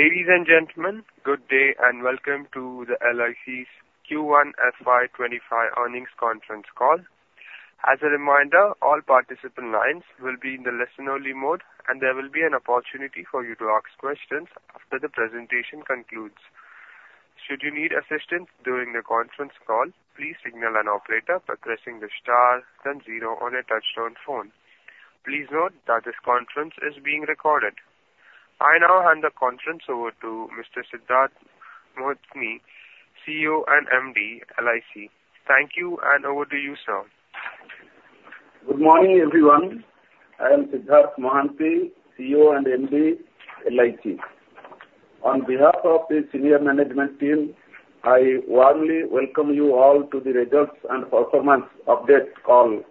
Ladies and gentlemen, good day, and welcome to the LIC's Q1 FY 2025 earnings conference call. As a reminder, all participant lines will be in the listen-only mode, and there will be an opportunity for you to ask questions after the presentation concludes. Should you need assistance during the conference call, please signal an operator by pressing the star then zero on your touchtone phone. Please note that this conference is being recorded. I now hand the conference over to Mr. Siddhartha Mohanty, CEO and MD, LIC. Thank you, and over to you, sir. Good morning, everyone. I am Siddhartha Mohanty, CEO and MD, LIC. On behalf of the senior management team, I warmly welcome you all to the results and performance update call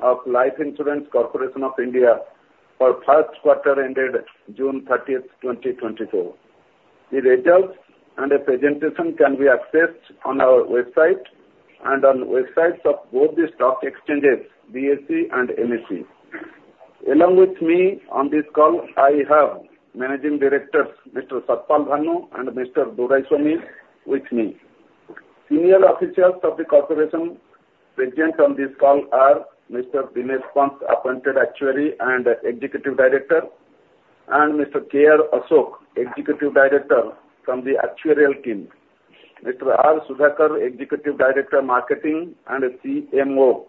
of Life Insurance Corporation of India for first quarter ended June 30, 2024. The results and the presentation can be accessed on our website and on websites of both the stock exchanges, BSE and NSE. Along with me on this call, I have Managing Directors, Mr. Satpal Bhanu and Mr. Doraiswamy with me. Senior officials of the corporation present on this call are Mr. Dinesh Pant, Appointed Actuary and Executive Director, and Mr. K. R. Ashok, Executive Director from the Actuarial team, Mr. R. Sudhakar, Executive Director, Marketing and CMO,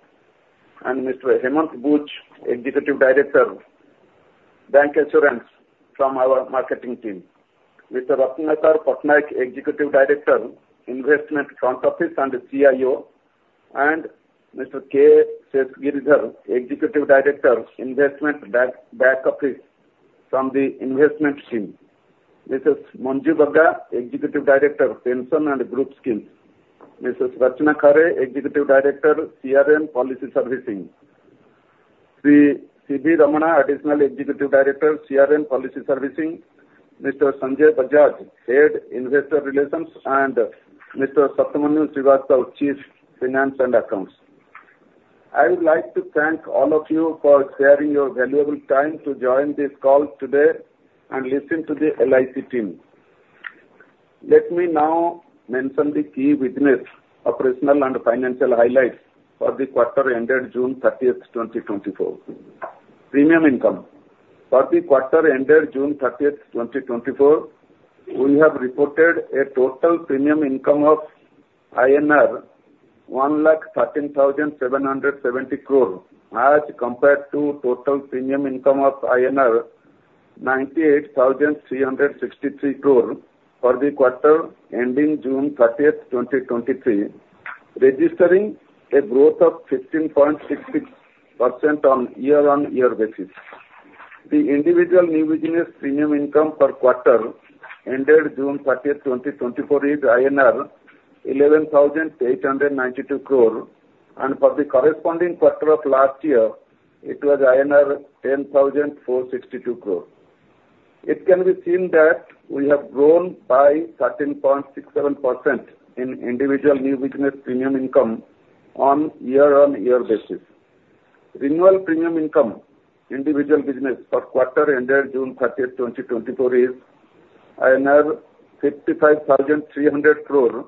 and Mr. Hemant Buch, Executive Director, Bancassurance from our marketing team, Mr. Ratnakar Patnaik, Executive Director, Investment Front Office and CIO, and Mr. K. K. Seshagiridhar, Executive Director, Investment Back Office from the investment team, Mrs. Manju Garg, Executive Director, Pension and Group Schemes, Mrs. Rachna Khare, Executive Director, CRM Policy Servicing, Sri C. V. Ramana, Additional Executive Director, CRM Policy Servicing, Mr. Sanjay Bajaj, Head, Investor Relations, and Mr. Satyamanyu Srivastava, Chief, Finance and Accounts. I would like to thank all of you for sharing your valuable time to join this call today and listen to the LIC team. Let me now mention the key business, operational and financial highlights for the quarter ended June 30, 2024. Premium income. For the quarter ended June 30, 2024, we have reported a total premium income of INR 113,770 crore, as compared to total premium income of INR 98,363 crore for the quarter ending June 30, 2023, registering a growth of 15.66% on year-over-year basis. The individual new business premium income for quarter ended June 30, 2024, is INR 11,892 crore, and for the corresponding quarter of last year, it was INR 10,462 crore. It can be seen that we have grown by 13.67% in individual new business premium income on year-over-year basis. Renewal premium income, individual business for quarter ended June 30, 2024, is INR 55,300 crore,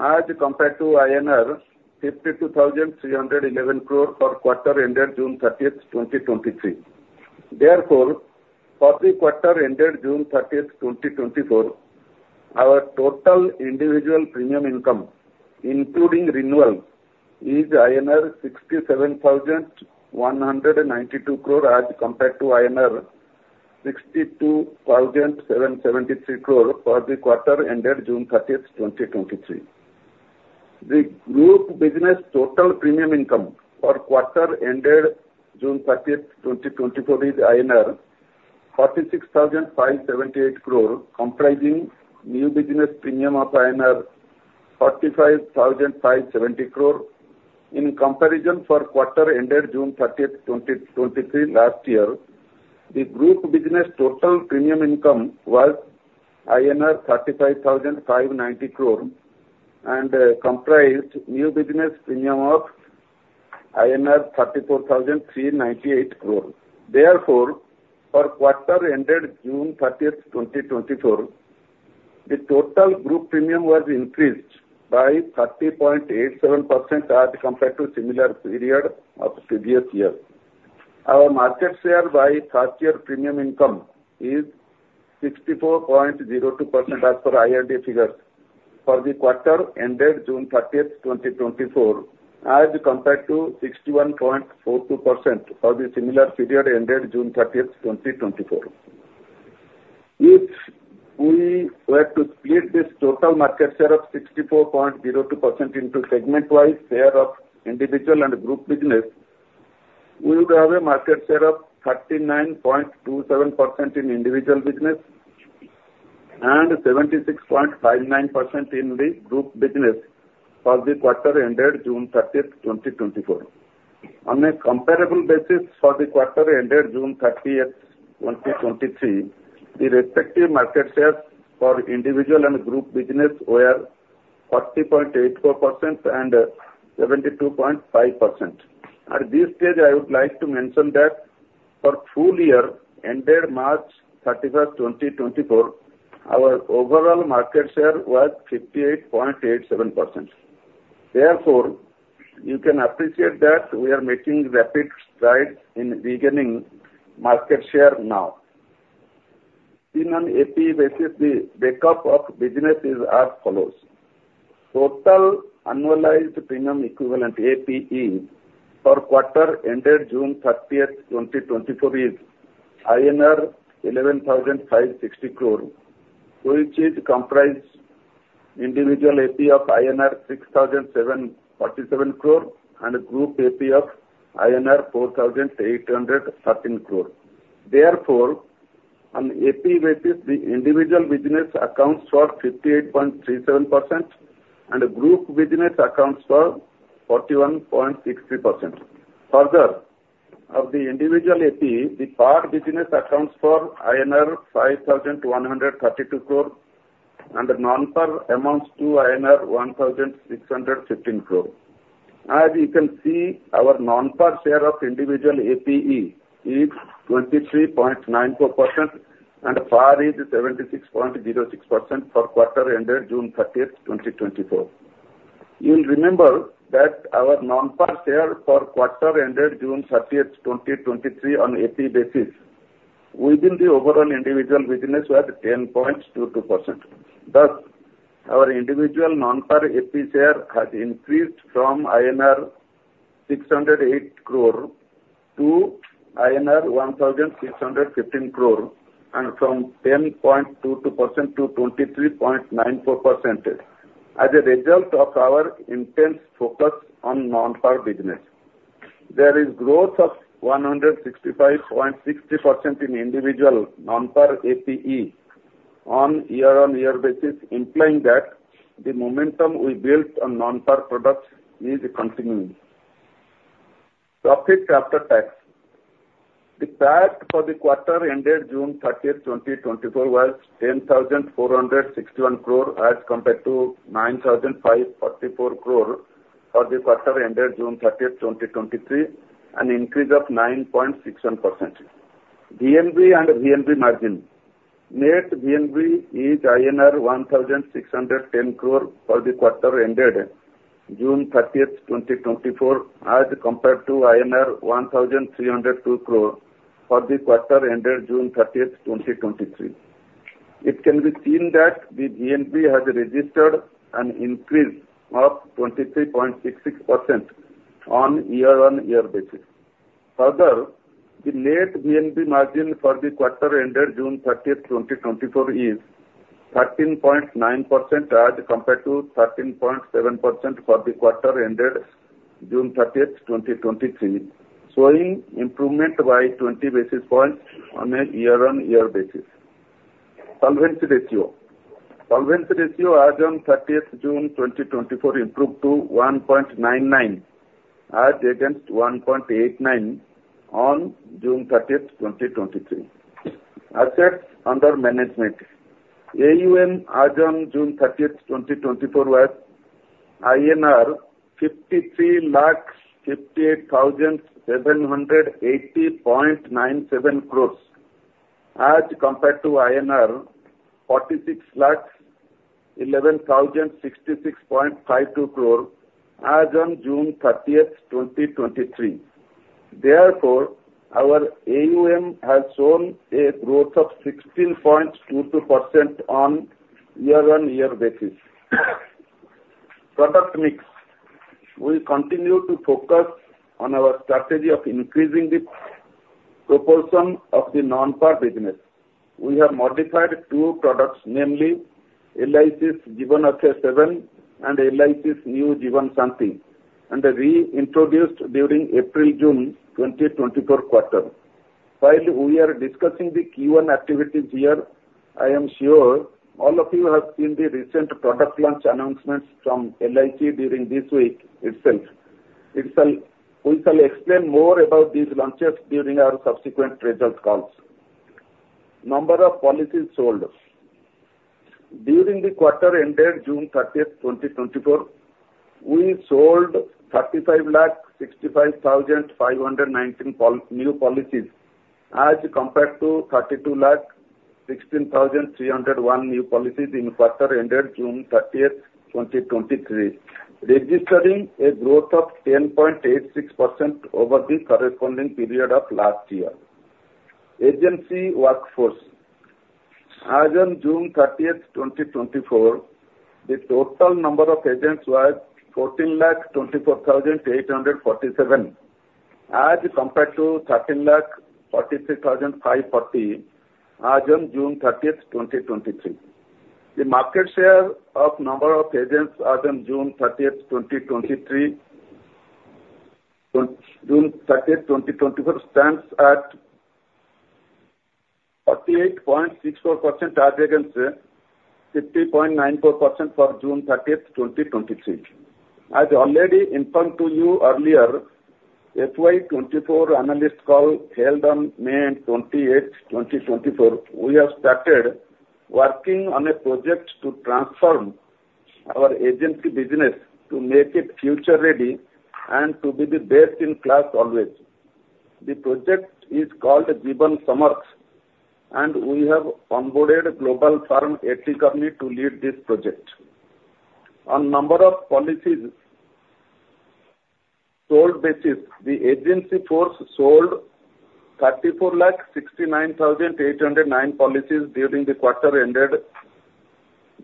as compared to INR 52,311 crore for quarter ended June 30, 2023. Therefore, for the quarter ended June 30, 2024, our total individual premium income, including renewals, is INR 67,192 crore, as compared to INR 62,773 crore for the quarter ended June 30, 2023. The group business total premium income for quarter ended June 30, 2024, is INR 46,578 crore, comprising new business premium of INR 45,570 crore. In comparison, for quarter ended June 30, 2023 last year, the group business total premium income was INR 35,590 crore and, comprised new business premium of INR 34,398 crore. Therefore, for quarter ended June 30, 2024, the total group premium was increased by 30.87% as compared to similar period of previous year. Our market share by first year premium income is 64.02% as per IRDAI figures for the quarter ended June 30, 2024, as compared to 61.42% for the similar period ended June 30, 2024. If we were to split this total market share of 64.02% into segment-wise share of individual and group business, we would have a market share of 39.27% in individual business and 76.59% in the group business for the quarter ended June 30, 2024. On a comparable basis for the quarter ended June 30, 2023, the respective market shares for individual and group business were-... 40.84% and 72.5%. At this stage, I would like to mention that for full year, ended March 31, 2024, our overall market share was 58.87%. Therefore, you can appreciate that we are making rapid strides in regaining market share now. Premium APE, basically, breakup of businesses are as follows: Total annualized premium equivalent, APE, for quarter ended June 30, 2024, is INR 11,560 crore, which is comprised individual APE of INR 6,747 crore and group APE of INR 4,813 crore. Therefore, on APE basis, the individual business accounts for 58.37%, and the group business accounts for 41.60%. Further, of the individual APE, the par business accounts for INR 5,132 crore and non-par amounts to INR 1,615 crore. As you can see, our non-par share of individual APE is 23.94%, and par is 76.06% for quarter ended June 30, 2024. You'll remember that our non-par share for quarter ended June 30, 2023, on APE basis, within the overall individual business was 10.22%. Thus, our individual non-par APE share has increased from INR 608 crore to INR 1,615 crore, and from 10.22% to 23.94%, as a result of our intense focus on non-par business. There is growth of 165.60% in individual non-par APE on year-on-year basis, implying that the momentum we built on non-par products is continuing. Profit after tax. The PAT for the quarter ended June 30, 2024, was 10,461 crore, as compared to 9,544 crore for the quarter ended June 30, 2023, an increase of 9.61%. VNB and VNB margin. Net VNB is INR 1,610 crore for the quarter ended June 30, 2024, as compared to INR 1,302 crore for the quarter ended June 30, 2023. It can be seen that the VNB has registered an increase of 23.66% on year-on-year basis. Further, the net VNB margin for the quarter ended June 30, 2024, is 13.9%, as compared to 13.7% for the quarter ended June 30, 2023, showing improvement by 20 basis points on a year-on-year basis. Solvency ratio. Solvency ratio as on June 30, 2024, improved to 1.99, as against 1.89 on June 30, 2023. Assets under management. AUM as on June 30, 2024, was INR 5,358,780.97 crores, as compared to INR 4,611,066.52 crores as on June 30, 2023. Therefore, our AUM has shown a growth of 16.22% on year-on-year basis. Product mix. We continue to focus on our strategy of increasing the proportion of the non-par business. We have modified two products, namely LIC's Jeevan Akshay-VII and LIC's New Jeevan Shanti, and re-introduced during April-June 2024 quarter. While we are discussing the Q1 activities here, I am sure all of you have seen the recent product launch announcements from LIC during this week itself. We shall explain more about these launches during our subsequent results calls. Number of policies sold. During the quarter ended June 30, 2024, we sold 3,565,519 new policies, as compared to 3,216,301 new policies in quarter ended June 30, 2023, registering a growth of 10.86% over the corresponding period of last year. Agency workforce. As of June 30, 2024, the total number of agents was 1,424,847, as compared to 1,343,540 as of June 30, 2023. The market share of number of agents as of June 30, 2023, June 30, 2024, stands at 48.64%, as against 50.94% for June 30, 2023. As already informed to you earlier, FY 2024 analyst call, held on May 28, 2024. We have started working on a project to transform our agency business to make it future ready and to be the best in class always. The project is called Jeevan Samarth, and we have onboarded global firm Kearney to lead this project. On number of policies sold basis, the agency force sold 3,469,809 policies during the quarter ended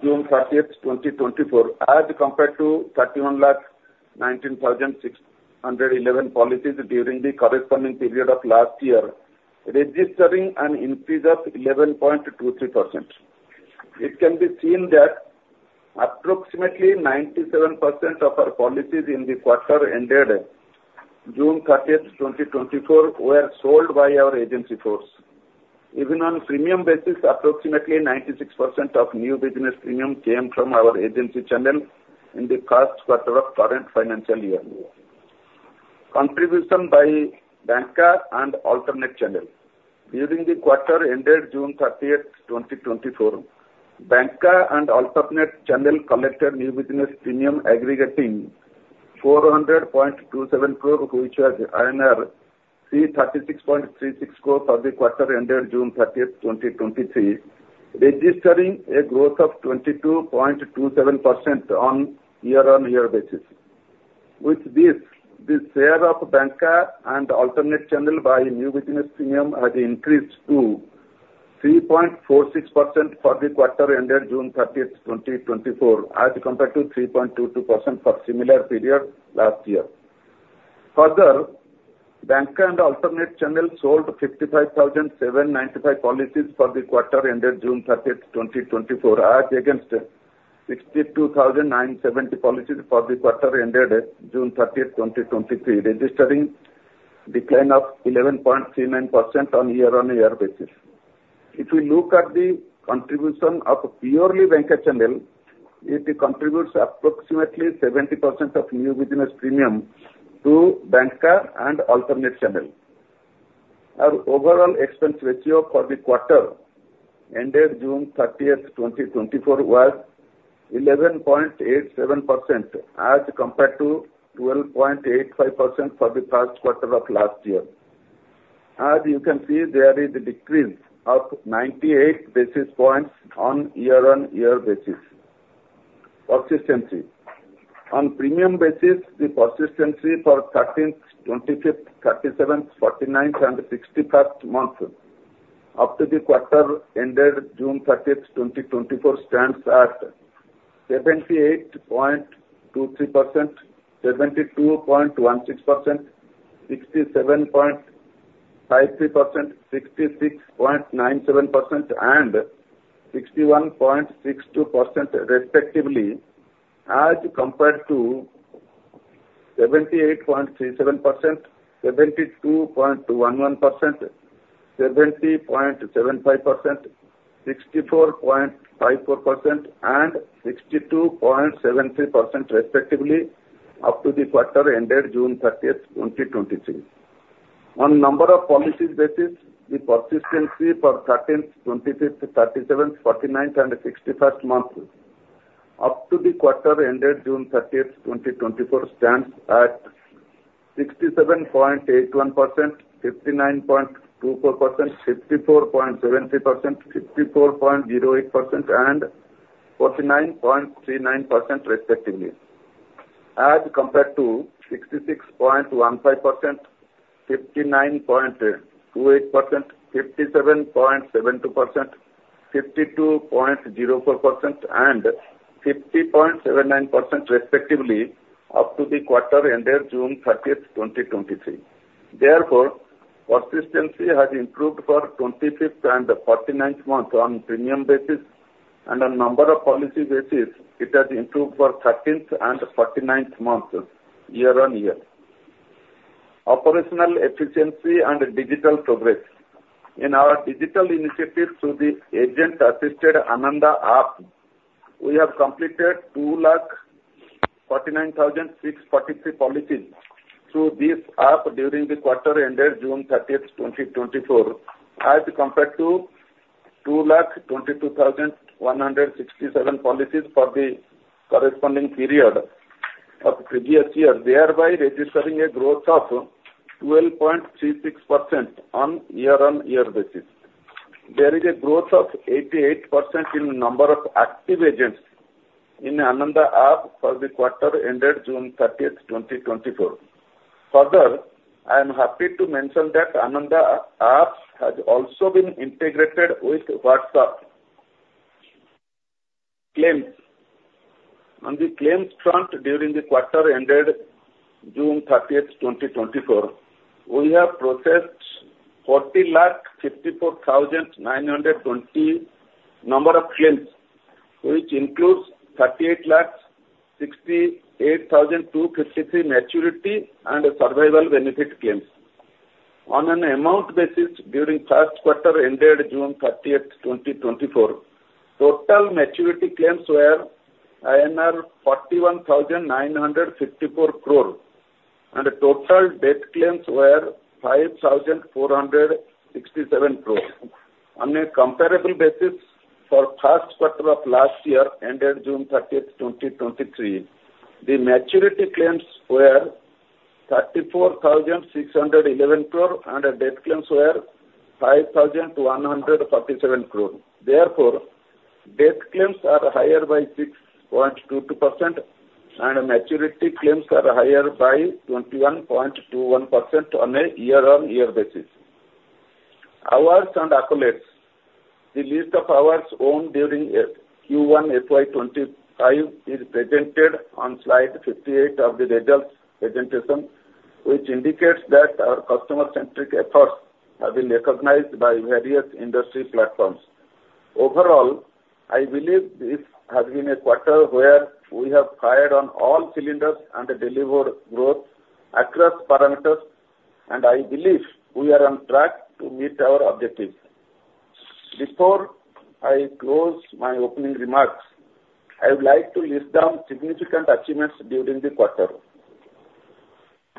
June 30, 2024, as compared to 3,119,611 policies during the corresponding period of last year, registering an increase of 11.23%. It can be seen that approximately 97% of our policies in the quarter ended June 30, 2024, were sold by our agency force. Even on premium basis, approximately 96% of new business premium came from our agency channel in the first quarter of current financial year. Contribution by bancassurance and alternate channel. During the quarter ended June 30, 2024, bancassurance and alternate channel collected new business premium aggregating 400.27 crore, which was INR 336.36 crore for the quarter ended June 30, 2023, registering a growth of 22.27% on year-on-year basis. With this, the share of bancassurance and alternate channel by new business premium has increased to 3.46% for the quarter ended June 30, 2024, as compared to 3.22% for similar period last year. Further, bancassurance and alternate channel sold 55,795 policies for the quarter ended June 30, 2024, as against 62,970 policies for the quarter ended June 30, 2023, registering decline of 11.39% on year-on-year basis. If we look at the contribution of purely bancassurance channel, it contributes approximately 70% of new business premium to bancassurance and alternate channel. Our overall expense ratio for the quarter ended June 30, 2024, was 11.87%, as compared to 12.85% for the first quarter of last year. As you can see, there is a decrease of 98 basis points on year-on-year basis. Persistency. On premium basis, the persistency for 13th, 25th, 37th, 49th, and 61st month up to the quarter ended June 30, 2024, stands at 78.23%, 72.16%, 67.53%, 66.97%, and 61.62% respectively, as compared to 78.37%, 72.11%, 70.75%, 64.54%, and 62.73% respectively, up to the quarter ended June 30, 2023. On number of policies basis, the persistency for 13th, 25th, 37th, 49th, and 61st month up to the quarter ended June 30, 2024, stands at 67.81%, 59.24%, 54.73%, 54.08%, and 49.39% respectively, as compared to 66.15%, 59.28%, 57.72%, 52.04%, and 50.79% respectively up to the quarter ended June 30, 2023. Therefore, persistency has improved for 25th and the 49th month on premium basis, and on number of policy basis, it has improved for 13th and 49th month, year-on-year. Operational efficiency and digital progress. In our digital initiative through the agent-assisted ANANDA app, we have completed 249,643 policies through this app during the quarter ended June 30, 2024, as compared to 222,167 policies for the corresponding period of previous year, thereby registering a growth of 12.36% on year-on-year basis. There is a growth of 88% in number of active agents in ANANDA app for the quarter ended June 30, 2024. Further, I am happy to mention that ANANDA app has also been integrated with WhatsApp. Claims. On the claims front, during the quarter ended June 30, 2024, we have processed 40,54,920 number of claims, which includes 38,68,253 maturity and survival benefit claims. On an amount basis during first quarter ended June 30, 2024, total maturity claims were INR 41,954 crore, and total death claims were INR 5,467 crore. On a comparable basis for first quarter of last year, ended June 30, 2023, the maturity claims were 34,611 crore, and death claims were 5,147 crore. Therefore, death claims are higher by 6.22%, and maturity claims are higher by 21.21% on a year-on-year basis. Awards and accolades. The list of awards won during Q1 FY 2025 is presented on slide 58 of the results presentation, which indicates that our customer-centric efforts have been recognized by various industry platforms. Overall, I believe this has been a quarter where we have fired on all cylinders and delivered growth across parameters, and I believe we are on track to meet our objective. Before I close my opening remarks, I would like to list down significant achievements during the quarter.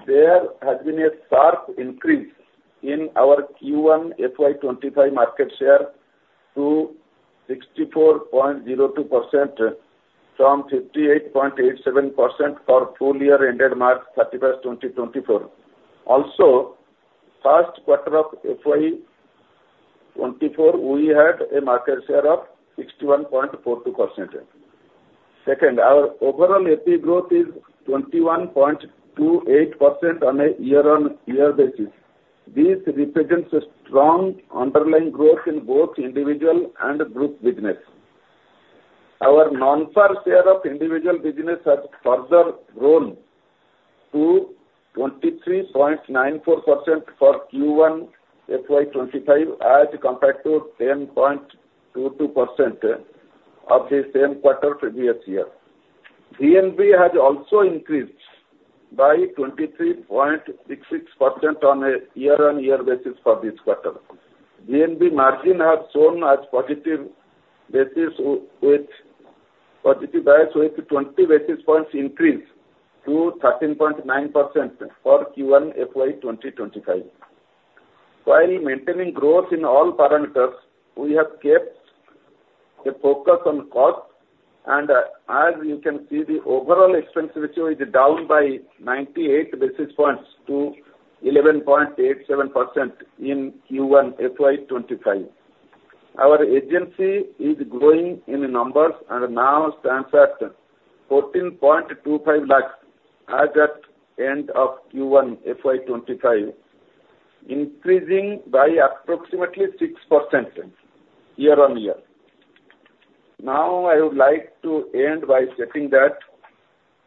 There has been a sharp increase in our Q1 FY 2025 market share to 64.02% from 58.87% for full year ended March 31, 2024. Also, first quarter of FY 2024, we had a market share of 61.42%. Second, our overall AP growth is 21.28% on a year-on-year basis. This represents a strong underlying growth in both individual and group business. Our non-par share of individual business has further grown to 23.94% for Q1 FY 2025, as compared to 10.22% of the same quarter previous year. VNB has also increased by 23.66% on a year-on-year basis for this quarter. VNB margin has shown as positive basis, with positive bias, with 20 basis points increase to 13.9% for Q1 FY 2025. While maintaining growth in all parameters, we have kept a focus on cost, and, as you can see, the overall expense ratio is down by 98 basis points to 11.87% in Q1 FY 2025. Our agency is growing in numbers and now stands at 14.25 lakhs as at end of Q1 FY 2025, increasing by approximately 6% year-on-year. Now, I would like to end by stating that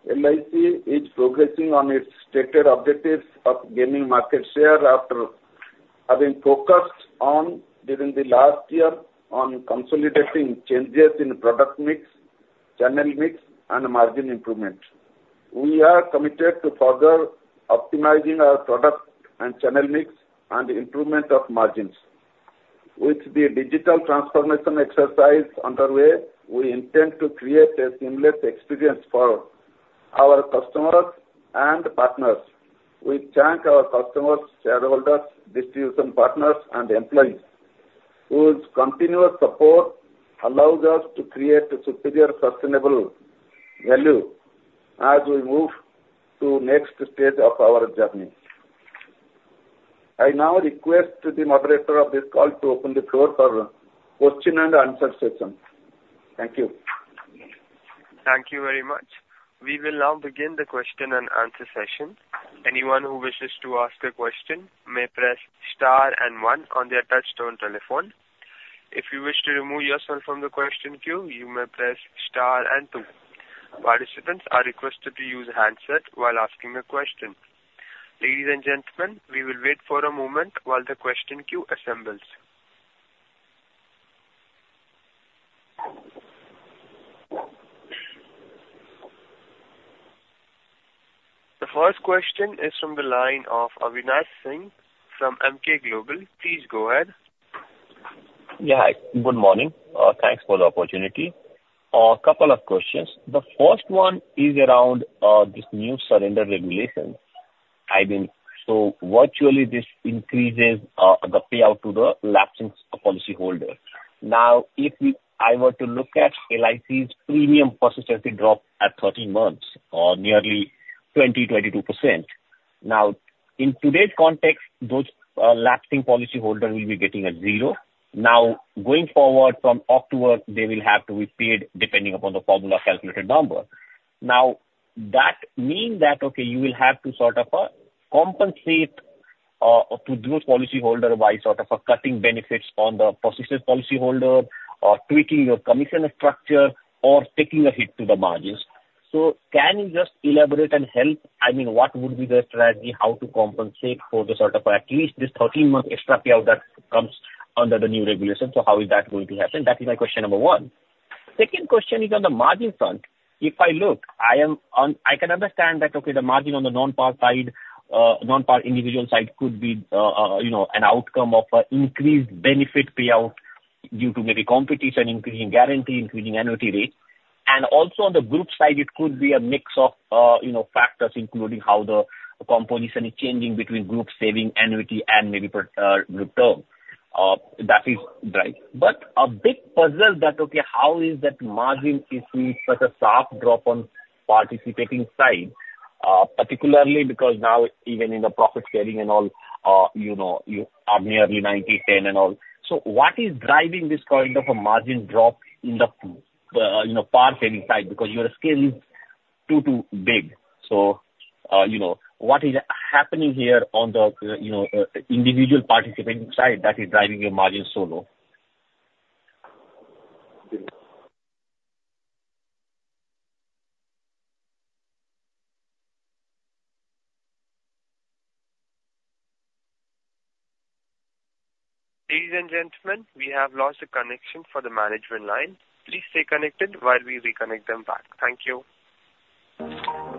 LIC is progressing on its stated objectives of gaining market share after having focused on, during the last year, on consolidating changes in product mix, channel mix, and margin improvement. We are committed to further optimizing our product and channel mix and improvement of margins. With the digital transformation exercise underway, we intend to create a seamless experience for our customers and partners. We thank our customers, shareholders, distribution partners, and employees, whose continuous support allows us to create a superior, sustainable value as we move to next stage of our journey. I now request the moderator of this call to open the floor for question and answer session. Thank you. Thank you very much. We will now begin the question and answer session. Anyone who wishes to ask a question may press star and one on their touchtone telephone. If you wish to remove yourself from the question queue, you may press star and two. Participants are requested to use handset while asking a question. Ladies and gentlemen, we will wait for a moment while the question queue assembles. The first question is from the line of Avinash Singh from Emkay Global. Please go ahead. Yeah, hi. Good morning. Thanks for the opportunity. A couple of questions. The first one is around this new surrender regulation. I mean, so virtually, this increases the payout to the lapsing policyholder. Now, if I were to look at LIC's premium persistency drop at 13 months or nearly 22%. Now, in today's context, those lapsing policyholder will be getting a zero. Now, going forward from October, they will have to be paid depending upon the formula calculated number. Now, that means that, okay, you will have to sort of compensate to those policyholder by sort of a cutting benefits on the persistent policyholder or tweaking your commission structure or taking a hit to the margins. So can you just elaborate and help, I mean, what would be the strategy, how to compensate for the sort of at least this 13-month extra payout that comes under the new regulation? So how is that going to happen? That is my question number one. Second question is on the margin front. If I look, I can understand that, okay, the margin on the non-par side, non-par individual side could be, you know, an outcome of increased benefit payout due to maybe competition, increasing guarantee, increasing annuity rates. And also on the group side, it could be a mix of, you know, factors, including how the composition is changing between group saving, annuity, and maybe per group term. That is right. But a big puzzle that, okay, how is that margin issue such a sharp drop on participating side, particularly because now even in the profit sharing and all, you know, you are nearly 90-10 and all. So what is driving this kind of a margin drop in the, you know, par sharing side? Because your scale is too too big. So, you know, what is happening here on the, you know, individual participating side that is driving your margin so low? Ladies and gentlemen, we have lost the connection for the management line. Please stay connected while we reconnect them back. Thank you. ...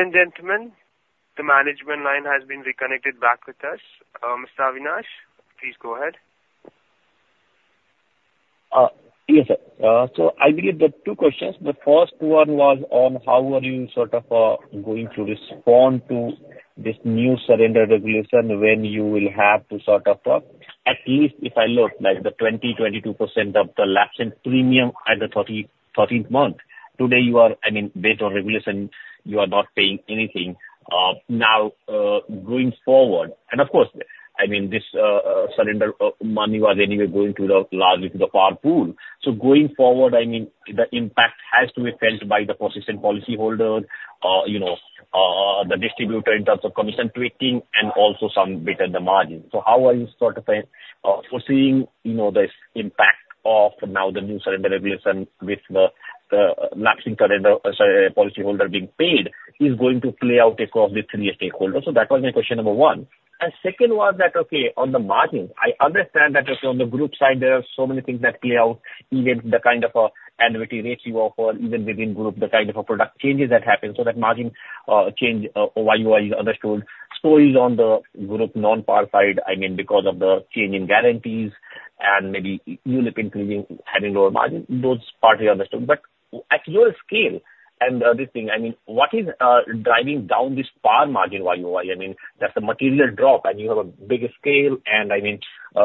Ladies and gentlemen, the management line has been reconnected back with us. Mr. Avinash, please go ahead. Yes, sir. So I believe there are two questions. The first one was on how are you sort of going to respond to this new surrender regulation when you will have to sort of at least if I look like the 22% of the lapsed in premium at the 13th month. Today, you are, I mean, based on regulation, you are not paying anything. Now, going forward, and of course, I mean this surrender money was anyway going to the, largely to the par pool. So going forward, I mean, the impact has to be felt by the persistent policyholder, you know, the distributor in terms of commission tweaking and also some bit at the margin. So how are you sort of foreseeing, you know, this impact of now the new surrender regulation with the, the lapsing surrender, sorry, policyholder being paid, is going to play out across the three stakeholders? So that was my question number one. Second was that, okay, on the margins, I understand that, okay, on the group side, there are so many things that play out, even the kind of annuity ratio offer, even within group, the kind of a product changes that happen, so that margin change Y-o-Y is understood. So is on the group non-par side, I mean, because of the change in guarantees and maybe ULIP increasing, having lower margin, those partly understood. But at your scale, and the other thing, I mean, what is driving down this par margin Y-o-Y? I mean, that's a material drop, and you have a bigger scale, and I mean,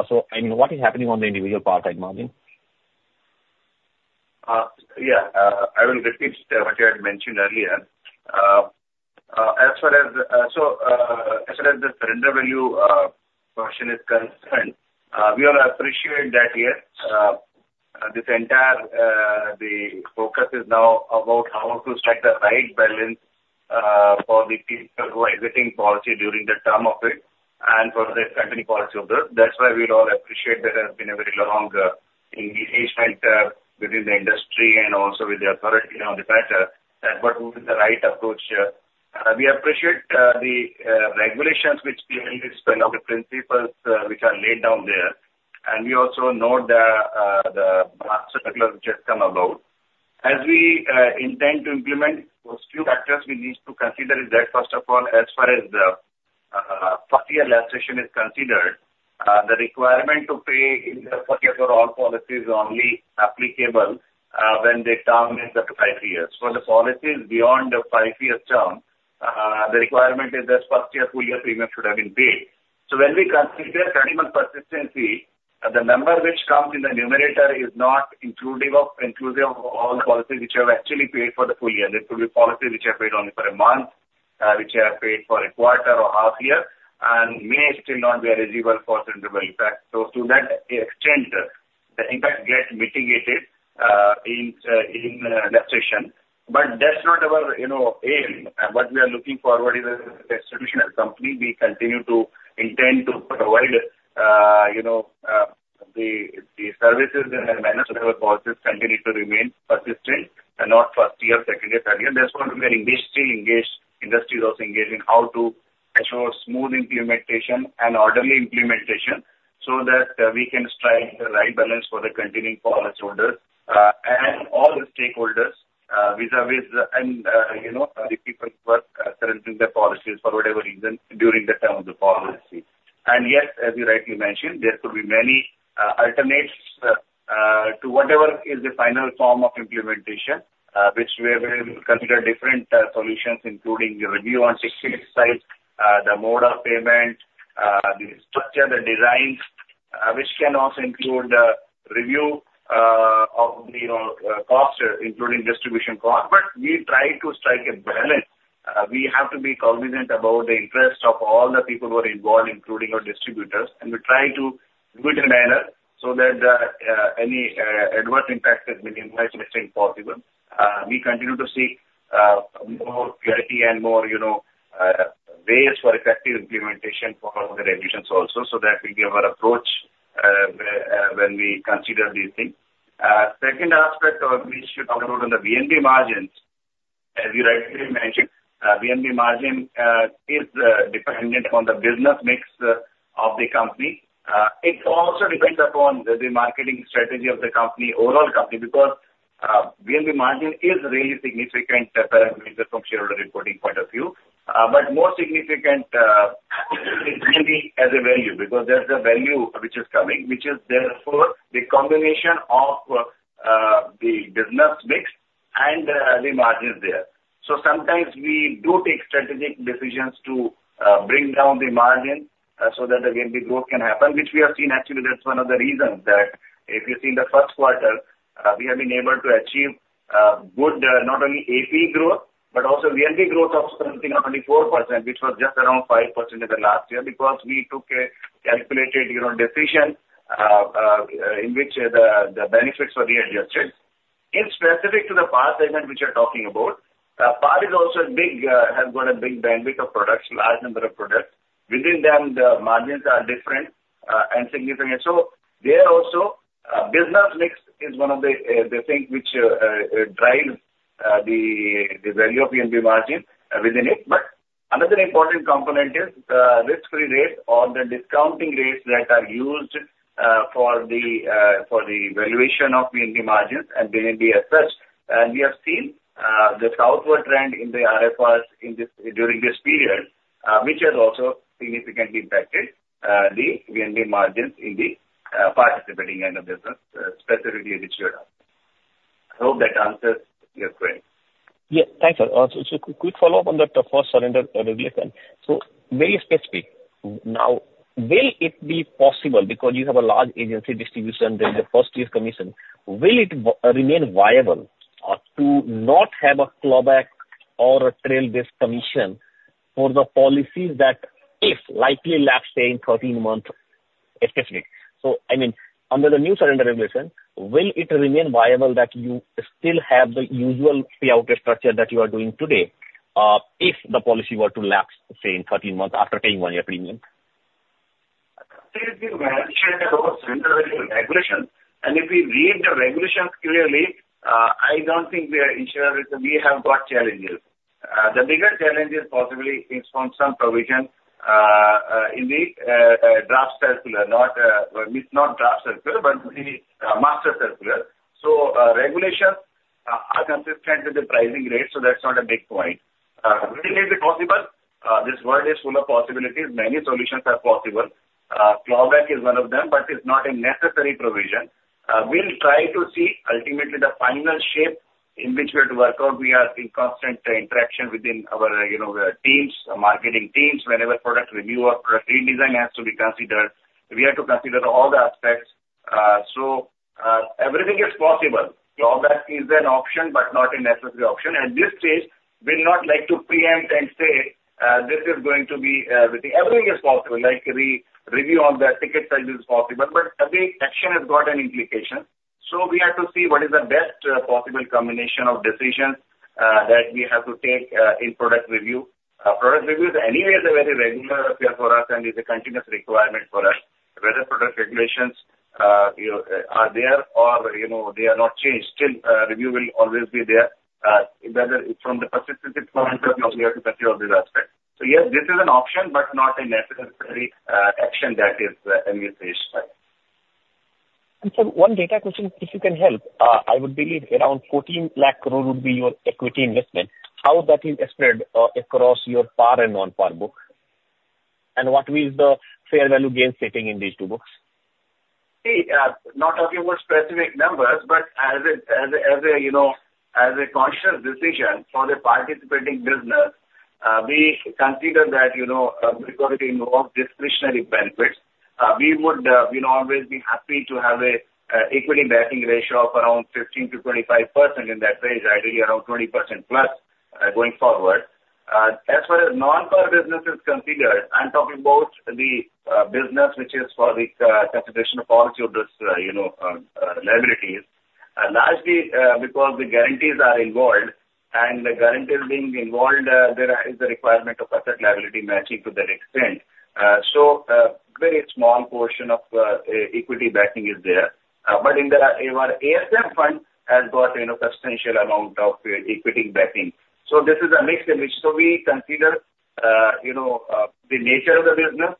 so I mean, what is happening on the individual par side margin? Yeah. I will repeat what I had mentioned earlier. As far as the surrender value question is concerned, we all appreciate that, yes, this entire, the focus is now about how to strike the right balance for the people who are exiting policy during the term of it and for the continuing policyholders. That's why we all appreciate there has been a very long engagement within the industry and also with the authority on the factor, that what would be the right approach here. We appreciate the regulations which we are in, the principles which are laid down there, and we also know the circular which just come about. As we intend to implement those two factors, we need to consider is that, first of all, as far as the first year lapsation is considered, the requirement to pay in the first year for all policies is only applicable when the term is up to five years. For the policies beyond the five-year term, the requirement is that first year, full year premium should have been paid. So when we consider customer persistency, the number which comes in the numerator is not inclusive of all the policies which have actually paid for the full year. It could be policies which are paid only for a month, which are paid for a quarter or half year and may still not be eligible for surrender value back. So to that extent, the impact gets mitigated in lapsation. But that's not our, you know, aim. What we are looking forward is as an institutional company, we continue to intend to provide, you know, the services in a manner so that our policies continue to remain persistent and not first year, second year, third year. That's what we are engaged, still engaged, industry is also engaged in how to ensure a smooth implementation and orderly implementation so that we can strike the right balance for the continuing policyholders, and all the stakeholders, vis-a-vis and, you know, the people who are surrendering their policies for whatever reason during the term of the policy. And yes, as you rightly mentioned, there could be many alternatives to whatever is the final form of implementation, which we are going to consider different solutions, including the review on ticket size, the mode of payment, the structure, the designs, which can also include the review of, you know, costs, including distribution cost. But we try to strike a balance. We have to be cognizant about the interest of all the people who are involved, including our distributors. And we try to do it in a manner so that any adverse impact is minimized to the extent possible. We continue to see more clarity and more, you know, ways for effective implementation for the regulations also, so that will be our approach when we consider these things. Second aspect of which you talked about on the VNB margins, as you rightly mentioned, VNB margin is dependent on the business mix of the company. It also depends upon the marketing strategy of the company, overall company, because VNB margin is really significant from shareholder reporting point of view. But more significant is maybe as a value, because there's a value which is coming, which is therefore the combination of the business mix and the margins there. So sometimes we do take strategic decisions to bring down the margin so that the VNB growth can happen, which we have seen. Actually, that's one of the reasons that if you see in the first quarter, we have been able to achieve good, not only AP growth, but also VNB growth of something around 4%, which was just around 5% in the last year, because we took a calculated, you know, decision in which the benefits were readjusted. In specific to the par segment, which you're talking about, par is also a big, has got a big bandwidth of products, large number of products. Within them, the margins are different, and significant. So there also, business mix is one of the things which drives the value of VNB margin within it. But another important component is risk-free rates or the discounting rates that are used for the valuation of VNB margins, and they may be assessed. We have seen this upward trend in the RFRs during this period, which has also significantly impacted the VNB margins in the participating line of business, specifically which you have. I hope that answers your query. Yeah, thanks, sir. So, quick follow-up on that, the first surrender regulation. So very specific. Now, will it be possible, because you have a large agency distribution, there's a first year's commission, will it remain viable to not have a clawback or a trail-based commission for the policies that if likely lapse, say, in 13 months, especially? So, I mean, under the new surrender regulation, will it remain viable that you still have the usual payout structure that you are doing today, if the policy were to lapse, say, in 13 months after paying one year premium? Since we mentioned about surrender regulation, and if we read the regulations clearly, I don't think we are ensured that we have got challenges. The bigger challenge is possibly from some provision in the draft circular, not, well, not draft circular, but the master circular. So, regulations are consistent with the pricing rates, so that's not a big point. Will it be possible? This world is full of possibilities. Many solutions are possible. Clawback is one of them, but it's not a necessary provision. We'll try to see ultimately the final shape in which we have to work out. We are in constant interaction within our, you know, teams, marketing teams. Whenever product review or product redesign has to be considered, we have to consider all the aspects. So, everything is possible. Clawback is an option, but not a necessary option. At this stage, we'll not like to preempt and say, this is going to be, everything. Everything is possible. Like, the review on the ticket size is possible, but every action has got an implication. So we have to see what is the best, possible combination of decisions, that we have to take, in product review. Product review is anyway a very regular affair for us and is a continuous requirement for us. Whether product regulations, you know, are there or, you know, they are not changed, still, review will always be there, whether from the participant point of view, we have to consider all these aspects. So yes, this is an option, but not a necessary, action that is in this stage, right. And sir, one data question, if you can help. I believe around 1,400,000 crore would be your equity investment. How that is spread across your par and non-par books? And what is the fair value gain sitting in these two books? See, not talking about specific numbers, but as a conscious decision for the participating business, we consider that, you know, because it involves discretionary benefits, we would, you know, always be happy to have an equity matching ratio of around 15%-25% in that range, ideally around 20% plus, going forward. As far as non-par business is considered, I'm talking about the business which is for the transportation of policyholders' liabilities. Largely, because the guarantees are involved, and the guarantors being involved, there is the requirement of asset liability matching to that extent. So, very small portion of equity backing is there. But our ASM fund has got, you know, substantial amount of equity backing. So this is a mix in which so we consider, you know, the nature of the business,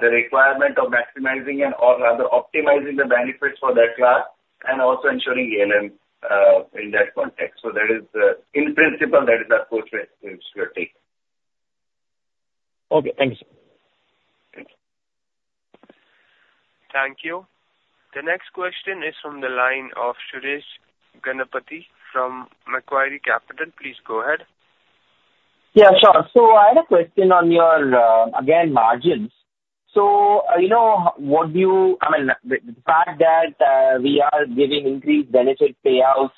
the requirement of maximizing and/or rather optimizing the benefits for that class and also ensuring ANM in that context. So that is, in principle, that is our approach which we are taking. Okay, thank you, sir. Thank you. Thank you. The next question is from the line of Suresh Ganapathy from Macquarie Capital. Please go ahead. Yeah, sure. So I had a question on your again, margins. So, you know, what do you-- I mean, the, the fact that, we are giving increased benefit payouts,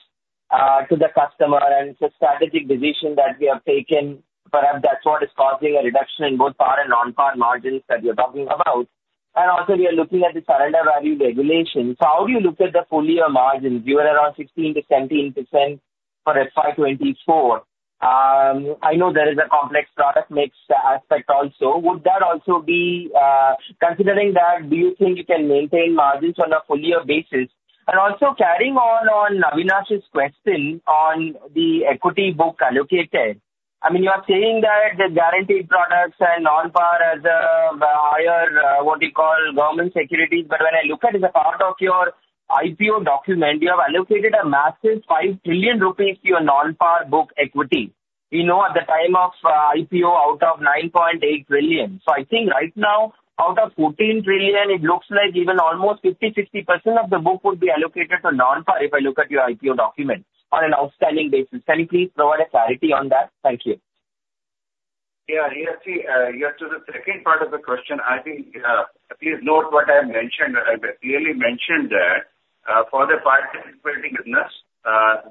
to the customer, and it's a strategic decision that we have taken, perhaps that's what is causing a reduction in both par and non-par margins that you're talking about. And also, we are looking at the surrender value regulations. So how do you look at the full year margins? You were around 16%-17% for FY 2024. I know there is a complex product mix aspect also. Would that also be, considering that, do you think you can maintain margins on a full year basis? And also carrying on Avinash's question on the equity book allocated. I mean, you are saying that the guaranteed products and non-par as higher, what you call government securities. But when I look at the part of your IPO document, you have allocated a massive 5 trillion rupees to your non-par book equity. We know at the time of IPO, out of 9.8 trillion. So I think right now, out of 14 trillion, it looks like even almost 50-60% of the book would be allocated to non-par, if I look at your IPO document on an outstanding basis. Can you please provide a clarity on that? Thank you. Yeah, you see, to the second part of the question, I think, please note what I mentioned. I clearly mentioned that, for the participating business,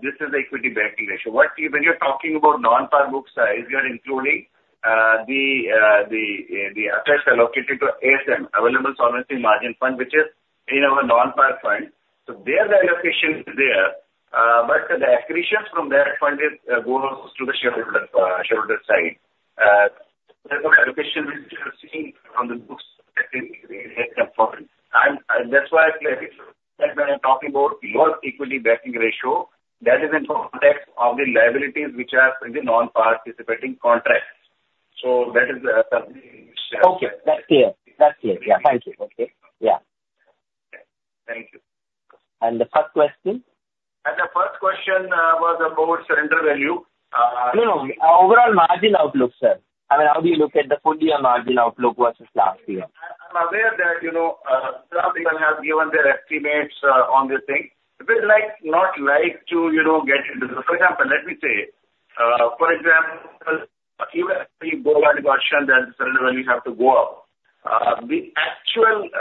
this is the equity backing ratio. What, when you're talking about non-par book size, you are including the assets allocated to ASM, Available Solvency Margin fund, which is in our non-par fund. So there the allocation is there, but the accretions from that fund is goes to the shareholder side. There's no allocation which you are seeing on the books. And that's why, when I'm talking about lower equity backing ratio, that is in context of the liabilities which are in the non-participating contracts. So that is, Okay, that's clear. That's clear. Yeah. Thank you. Okay. Yeah. Thank you. The first question? The first question was about surrender value. No, no, overall margin outlook, sir. I mean, how do you look at the full year margin outlook versus last year? I'm aware that, you know, some people have given their estimates on this thing. We'd like, not like to, you know, get into the... For example, let me say, for example, you go by the version, then surrender value have to go up. The actual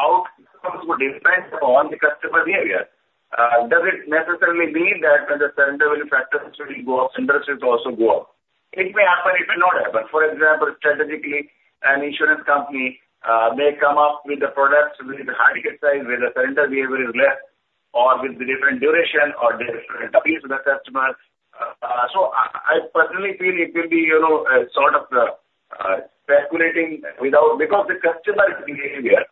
outcomes would depend on the customer's behavior. Does it necessarily mean that when the surrender value factor actually go up, surrender rates also go up? It may happen, it may not happen. For example, strategically, an insurance company may come up with the products with the higher side, where the surrender behavior is less, or with the different duration or different appeal to the customer. So I personally feel it will be, you know, sort of, speculating without... Because the customer behavior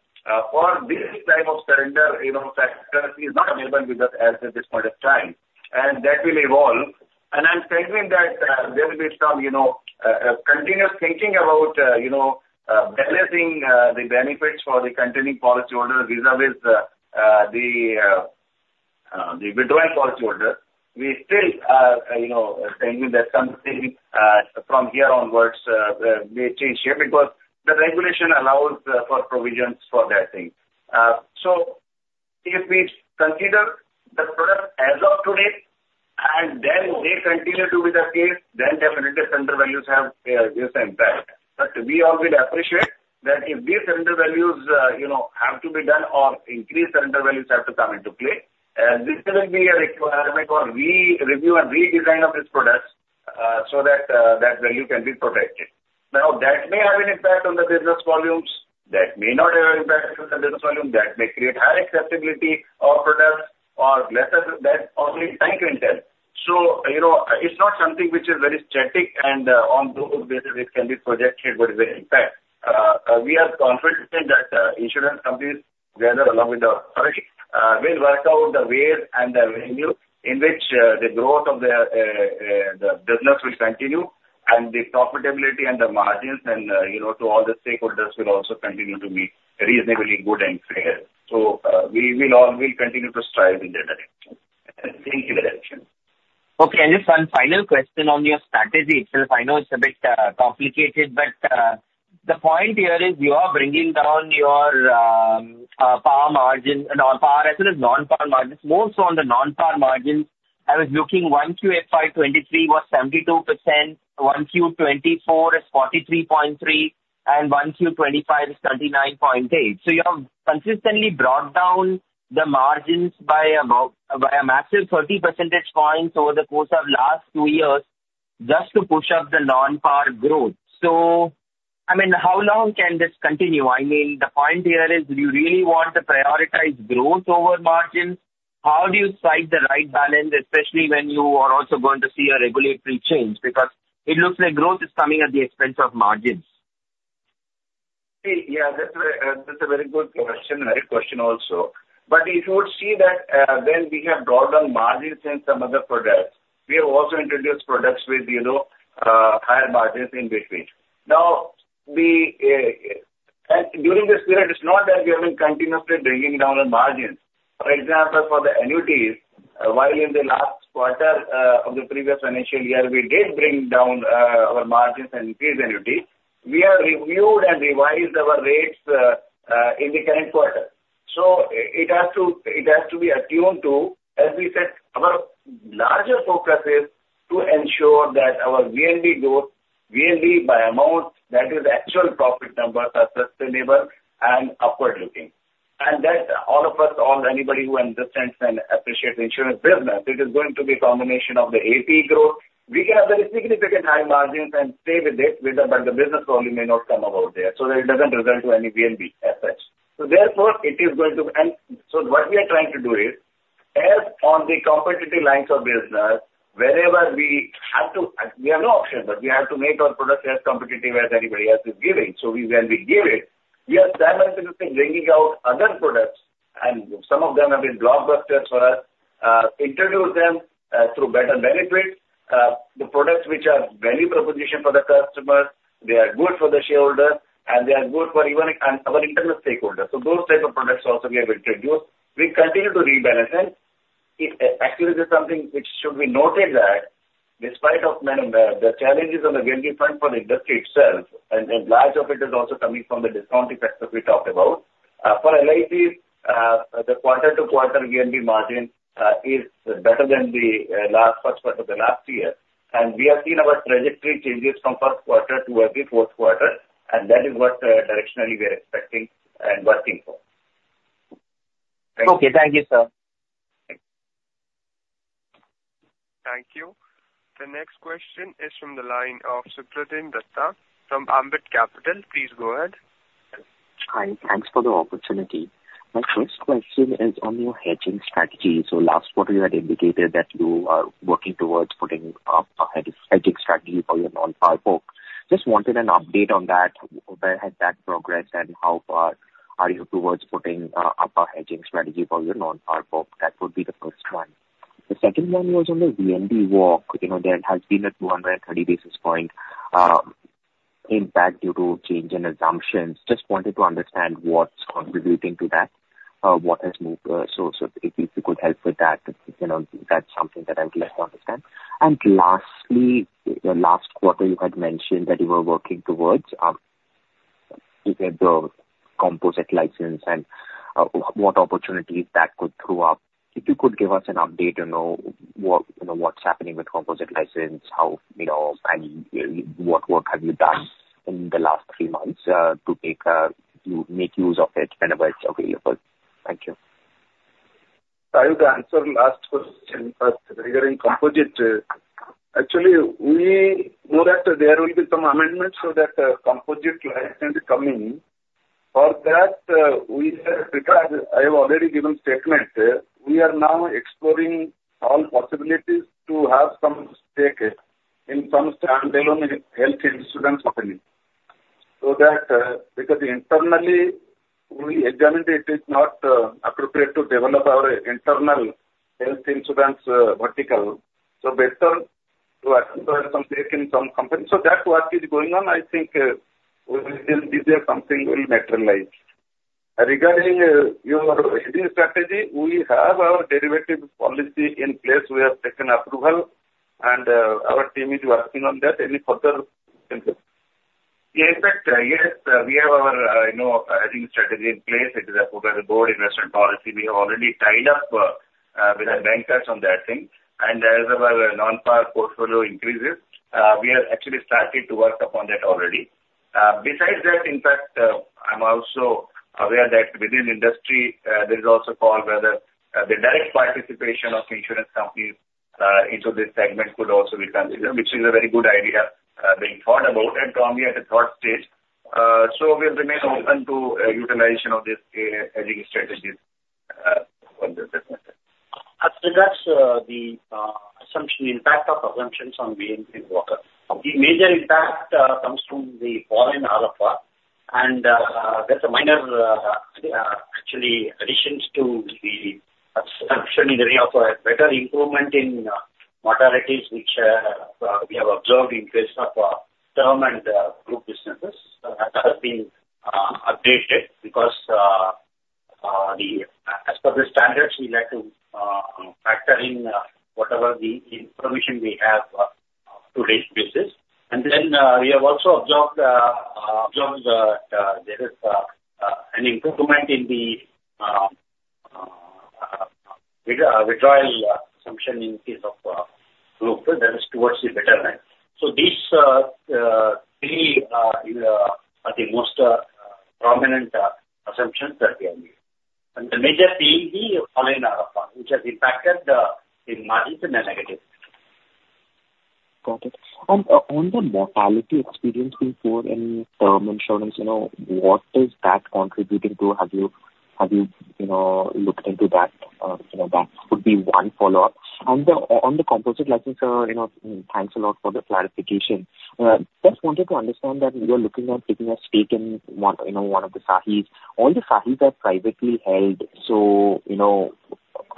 for this type of surrender, you know, factor is not available with us as of this point of time, and that will evolve. And I'm saying that there will be some, you know, continuous thinking about, you know, balancing the benefits for the continuing policyholder vis-a-vis the withdrawing policyholder. We still are, you know, thinking that something from here onwards may change here, because the regulation allows for provisions for that thing. So if we consider the product as of today, and then they continue to be the case, then definitely surrender values have this impact. But we also appreciate that if these surrender values, you know, have to be done or increased surrender values have to come into play, this will be a requirement for re-review and redesign of this product, so that, that value can be protected. Now, that may have an impact on the business volumes, that may not have an impact on the business volume, that may create higher acceptability of products or lesser than that, only time will tell. So, you know, it's not something which is very static and, on those basis it can be projected what is the impact. We are confident that, insurance companies, together along with the authority, will work out the ways and the avenue in which, the growth of their, the business will continue, and the profitability and the margins and, you know, to all the stakeholders will also continue to be reasonably good and fair. So, we will all, we'll continue to strive in that direction. Thank you very much. Okay, and just one final question on your strategy itself. I know it's a bit complicated, but the point here is you are bringing down your par margin, non-par as well as non-par margins, more so on the non-par margins. I was looking 1Q FY 2023 was 72%, 1Q 2024 is 43.3, and 1Q 2025 is 39.8. So you have consistently brought down the margins by a massive 30 percentage points over the course of last 2 years, just to push up the non-par growth. So, I mean, how long can this continue? I mean, the point here is, do you really want to prioritize growth over margins? How do you strike the right balance, especially when you are also going to see a regulatory change? Because it looks like growth is coming at the expense of margins. Yeah, that's a, that's a very good question. Great question also. But if you would see that, when we have brought down margins in some other products, we have also introduced products with, you know, higher margins in between. Now, and during this period, it's not that we have been continuously bringing down our margins. For example, for the annuities, while in the last quarter, of the previous financial year, we did bring down, our margins and fees annuity, we have reviewed and revised our rates, in the current quarter. So it has to be attuned to, as we said, our larger focus is to ensure that our VNB growth, VNB by amount, that is actual profit numbers are sustainable and upward looking. And that all of us or anybody who understands and appreciates the insurance business, it is going to be a combination of the AP growth. We can have very significant high margins and stay with it, with the, but the business probably may not come about there, so it doesn't result to any VNB as such. So therefore, it is going to. And so what we are trying to do is, as on the competitive lines of business, wherever we have to, we have no option, but we have to make our products as competitive as anybody else is giving. So, when we give it, we are simultaneously bringing out other products, and some of them have been blockbusters for us. Introduce them through better benefits, the products which are value proposition for the customers. They are good for the shareholders, and they are good for even our internal stakeholders. So those type of products also we have introduced. We continue to rebalance, and it, actually, this is something which should be noted that despite of many, the challenges on the VNB front for the industry itself, and a large of it is also coming from the discount effects that we talked about. For LIC, the quarter-to-quarter VNB margin is better than the last first quarter of the last year. We have seen our trajectory changes from first quarter towards the fourth quarter, and that is what directionally we are expecting and working for. Okay, thank you, sir. Thank you. The next question is from the line of Supratim Datta from Ambit Capital. Please go ahead. Hi, thanks for the opportunity. My first question is on your hedging strategy. So last quarter, you had indicated that you are working towards putting up a hedging strategy for your non-par book. Just wanted an update on that. Where has that progressed, and how far are you towards putting up a hedging strategy for your non-par book? That would be the first one. The second one was on the VNB book. You know, there has been a 230 basis point impact due to change in assumptions. Just wanted to understand what's contributing to that, what has moved. So if you could help with that, you know, that's something that I would like to understand. Lastly, last quarter you had mentioned that you were working towards to get the composite license and what opportunities that could throw up. If you could give us an update on what, you know, what's happening with composite license, how, you know, and what work have you done in the last three months to take to make use of it whenever it's available? Thank you. I will answer last question first. Regarding composite, actually, we know that there will be some amendments so that, composite license is coming. For that, we have, because I have already given statement, we are now exploring all possibilities to have some stake in some standalone health insurance company. So that, because internally we examined it is not, appropriate to develop our internal health insurance, vertical, so better to acquire some stake in some company. So that work is going on. I think, within this year something will materialize. Regarding, your hedging strategy, we have our derivative policy in place. We have taken approval, and, our team is working on that. Any further input? In fact, yes, we have our, you know, hedging strategy in place. It is approved by the board investment policy. We have already tied up with the bankers on that thing. And as our non-par portfolio increases, we are actually started to work upon that already. Besides that, in fact, I'm also aware that within industry, there is also call whether the direct participation of insurance companies into this segment could also be considered, which is a very good idea being thought about and currently at the third stage. So we'll remain open to utilization of this hedging strategies for this segment. As to that, the assumption impact of assumptions on VNB book. The major impact comes from the fall in RFR, and there's a minor, actually, additions to the assumption in the way of a better improvement in mortalities, which we have observed in case of term and group businesses. That has been updated because as per the standards, we like to factor in whatever the information we have to date basis. And then we have also observed there is an improvement in the withdrawal assumption in case of group that is towards the better end. So these three are the most prominent assumptions that we have made. The major being the fall in RFR, which has impacted the margins in a negative way.... Got it. And, on the mortality experience before in term insurance, you know, what is that contributing to? Have you, have you, you know, looked into that? That would be one follow-up. On the, on the composite license, sir, you know, thanks a lot for the clarification. Just wanted to understand that you are looking at taking a stake in one, you know, one of the SAHIs. All the SAHIs are privately held, so, you know,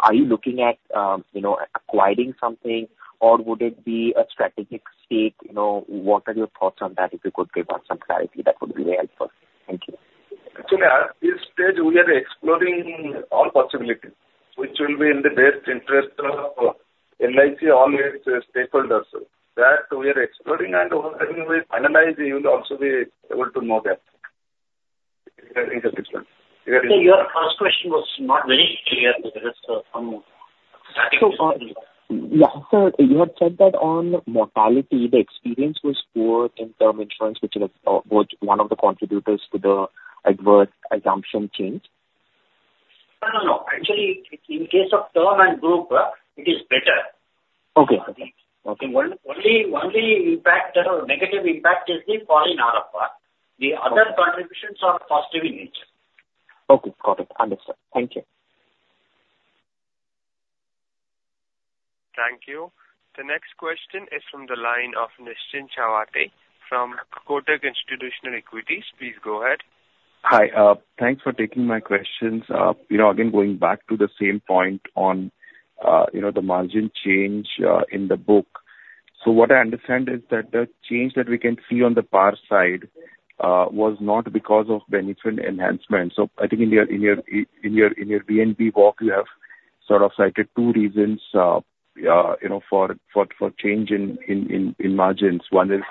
are you looking at, you know, acquiring something, or would it be a strategic stake? You know, what are your thoughts on that? If you could give us some clarity, that would be very helpful. Thank you. Actually, at this stage, we are exploring all possibilities which will be in the best interest of LIC, all its stakeholders. That we are exploring, and when we finalize, you will also be able to know that. Sir, your first question was not very clear, sir, from- So, yeah. Sir, you had said that on mortality, the experience was poor in term insurance, which was one of the contributors to the adverse assumption change. No, no, no. Actually, in case of term and group, it is better. Okay. Okay. Okay. Negative impact is the fall in RFR. The other contributions are positive in nature. Okay. Got it. Understood. Thank you. Thank you. The next question is from the line of Nischint Chawathe from Kotak Institutional Equities. Please go ahead. Hi. Thanks for taking my questions. You know, again, going back to the same point on, you know, the margin change, in the book. So what I understand is that the change that we can see on the PAR side, was not because of benefit enhancement. So I think in your VNB walk, you have sort of cited two reasons, you know, for change in margins. One is,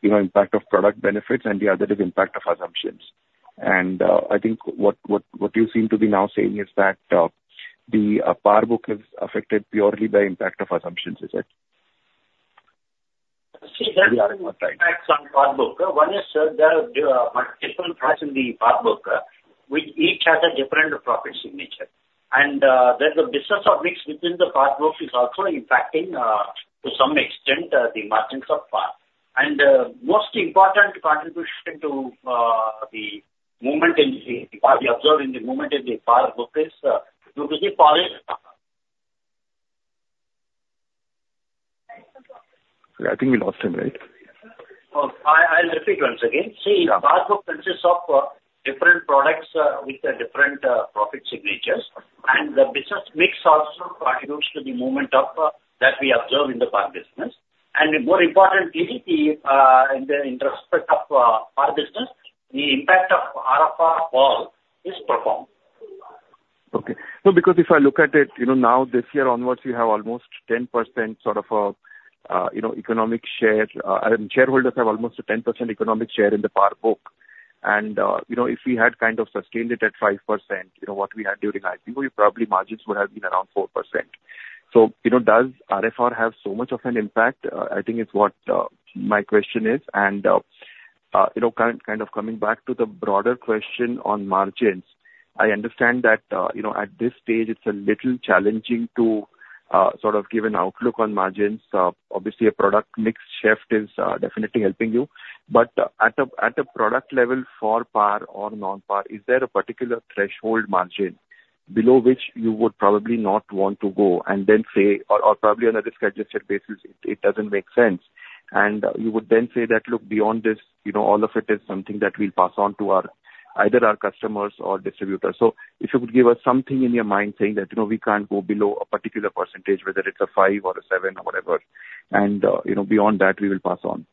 you know, impact of product benefits, and the other is impact of assumptions. And, I think what you seem to be now saying is that, the PAR book is affected purely by impact of assumptions. Is it? See, there are impacts on PAR book. One is, there are different parts in the PAR book, which each has a different profit signature. And, there's a business of mix within the PAR book is also impacting, to some extent, the margins of PAR. And, most important contribution to, the movement in the, what we observe in the movement in the PAR book is, due to the fall in PAR. I think we lost him, right? I'll repeat once again. See, PAR book consists of different products with a different profit signatures, and the business mix also contributes to the movement of that we observe in the PAR business. And more importantly, in the interest of PAR business, the impact of RFR fall is profound. Okay. So because if I look at it, you know, now, this year onwards, you have almost 10% sort of a economic share. Shareholders have almost a 10% economic share in the PAR book. And, you know, if we had kind of sustained it at 5%, you know, what we had during IPO, probably margins would have been around 4%. So, you know, does RFR have so much of an impact? I think it's what my question is. And, you know, kind of coming back to the broader question on margins, I understand that, you know, at this stage it's a little challenging to sort of give an outlook on margins. Obviously, a product mix shift is definitely helping you. But at a product level for PAR or non-PAR, is there a particular threshold margin below which you would probably not want to go and then say, or probably on a risk-adjusted basis, it doesn't make sense. And you would then say that, "Look, beyond this, you know, all of it is something that we'll pass on to either our customers or distributors." So if you could give us something in your mind saying that, you know, we can't go below a particular percentage, whether it's a five or a seven or whatever, and you know, beyond that, we will pass on.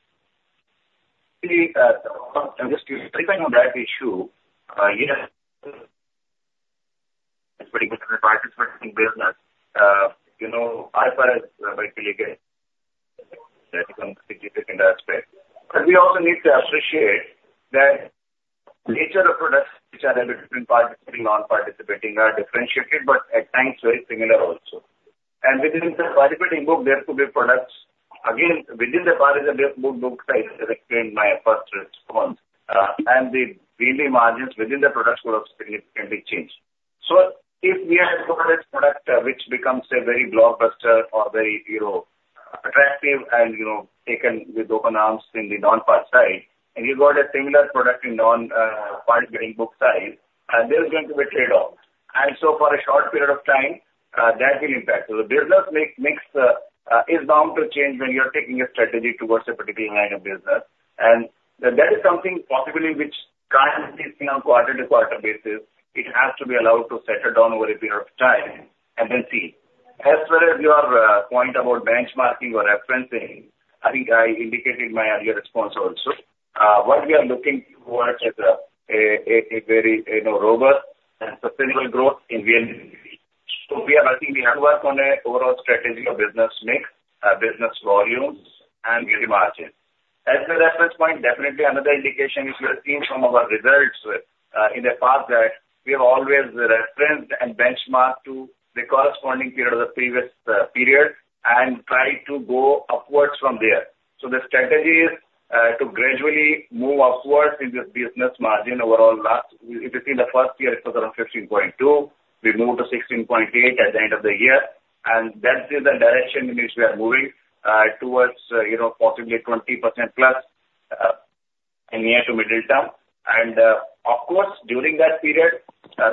See, I'm just skipping on that issue. Yes, it's pretty good participating business. You know, RFR is critically a significant aspect. But we also need to appreciate that nature of products which are in the different parts, participating, non-participating, are differentiated, but at times very similar also. And within the participating book, there could be products, again, within the PAR book size, as I explained in my first response, and the really margins within the products would have significantly changed. So if we have a product which becomes a very blockbuster or very, you know, attractive and, you know, taken with open arms in the non-PAR side, and you've got a similar product in non, participating book side, there's going to be trade-offs. And so for a short period of time, that will impact. So the business mix is bound to change when you are taking a strategy towards a particular line of business. That is something possibly which can't be seen on quarter to quarter basis. It has to be allowed to settle down over a period of time and then see. As far as your point about benchmarking or referencing, I think I indicated my earlier response also. What we are looking towards is a very, you know, robust and sustainable growth in VNB. So we are working on a overall strategy of business mix, business volumes and maybe margins. As a reference point, definitely another indication is we have seen from our results in the past that we have always referenced and benchmark to the corresponding period of the previous period, and try to go upwards from there. So the strategy is to gradually move upwards in this business margin overall last. If you see in the first year, it was around 15.2, we moved to 16.8 at the end of the year, and that is the direction in which we are moving towards, you know, possibly 20% plus in near to middle term. And, of course, during that period,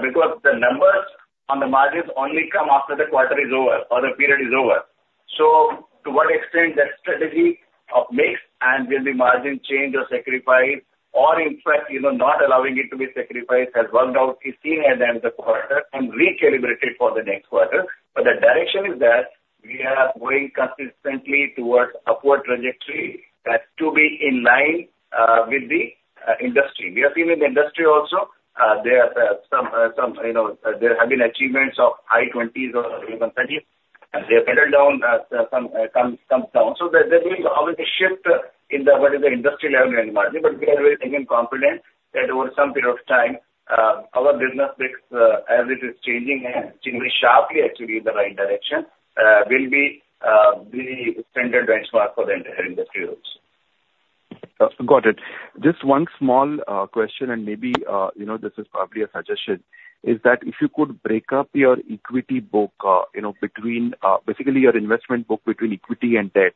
because the numbers on the margins only come after the quarter is over or the period is over. So to what extent that strategy of mix and will the margin change or sacrifice or in fact, you know, not allowing it to be sacrificed, has worked out is seen at end the quarter and recalibrated for the next quarter. But the direction is that we are going consistently towards upward trajectory that to be in line with the industry. We have seen in the industry also, there are some, you know, there have been achievements of high 20s or even 30s, and they have settled down, some come down. So, there is always a shift in the industry level and margin, but we are very, again, confident that over some period of time, our business mix, as it is changing and changing sharply, actually, in the right direction, will be the standard benchmark for the entire industry also. Got it. Just one small question, and maybe, you know, this is probably a suggestion, is that if you could break up your equity book, you know, between, basically your investment book between equity and debt.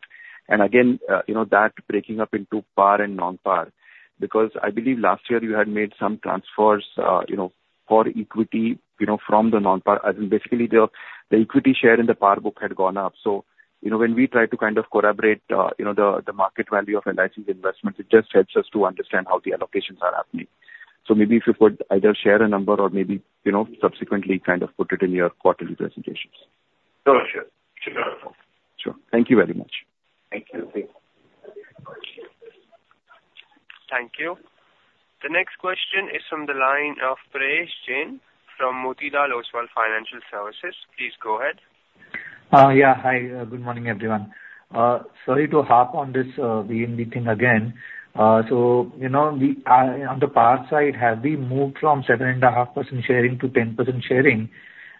And again, you know, that breaking up into par and non-par, because I believe last year you had made some transfers, you know, for equity, you know, from the non-par. As in basically, the equity share in the par book had gone up. So, you know, when we try to kind of corroborate, you know, the market value of LIC's investments, it just helps us to understand how the allocations are happening. So maybe if you could either share a number or maybe, you know, subsequently kind of put it in your quarterly presentations. Sure, sure. Sure. Thank you very much. Thank you. Thank you. The next question is from the line of Prayesh Jain from Motilal Oswal Financial Services. Please go ahead. Yeah. Hi, good morning, everyone. Sorry to harp on this VNB thing again. So, you know, we on the par side, have we moved from 7.5% sharing to 10% sharing?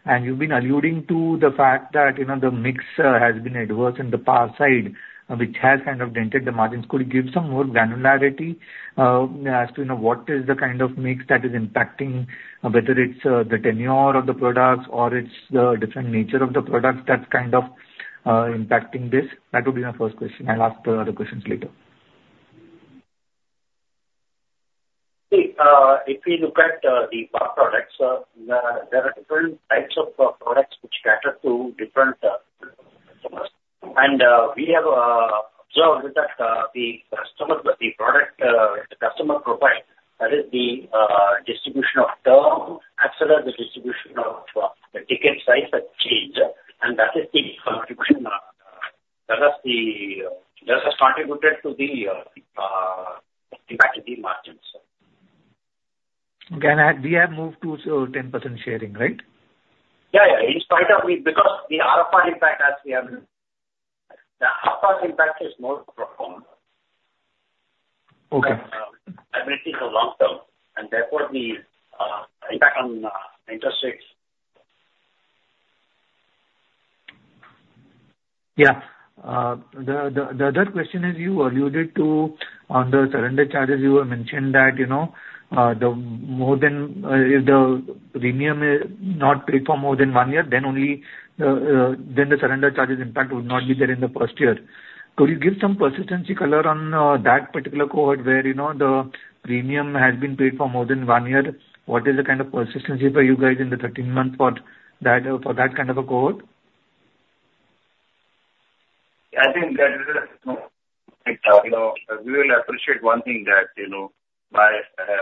And you've been alluding to the fact that, you know, the mix has been adverse in the par side, which has kind of dented the margins. Could you give some more granularity as to, you know, what is the kind of mix that is impacting, whether it's the tenure of the products or it's the different nature of the products that's kind of impacting this? That would be my first question. I'll ask the other questions later. See, if we look at the par products, there, there are different types of products which cater to different customers. And we have observed that the customer, the product, the customer profile, that is the distribution of term, as well as the distribution of the ticket size has changed, and that is the contribution. That has the, that has contributed to the impact to the margins. Okay. We have moved to so 10% sharing, right? Yeah, yeah. In spite of we, because the RFR impact, as we have... The RFR impact is more performant. Okay. Everything is long term, and therefore the impact on interest rates. Yeah. The other question is, you alluded to on the surrender charges. You have mentioned that, you know, if the premium is not paid for more than one year, then only then the surrender charges impact would not be there in the first year. Could you give some persistency color on that particular cohort where, you know, the premium has been paid for more than one year? What is the kind of persistency for you guys in the 13th month for that kind of a cohort? I think that is, you know, we will appreciate one thing that, you know, by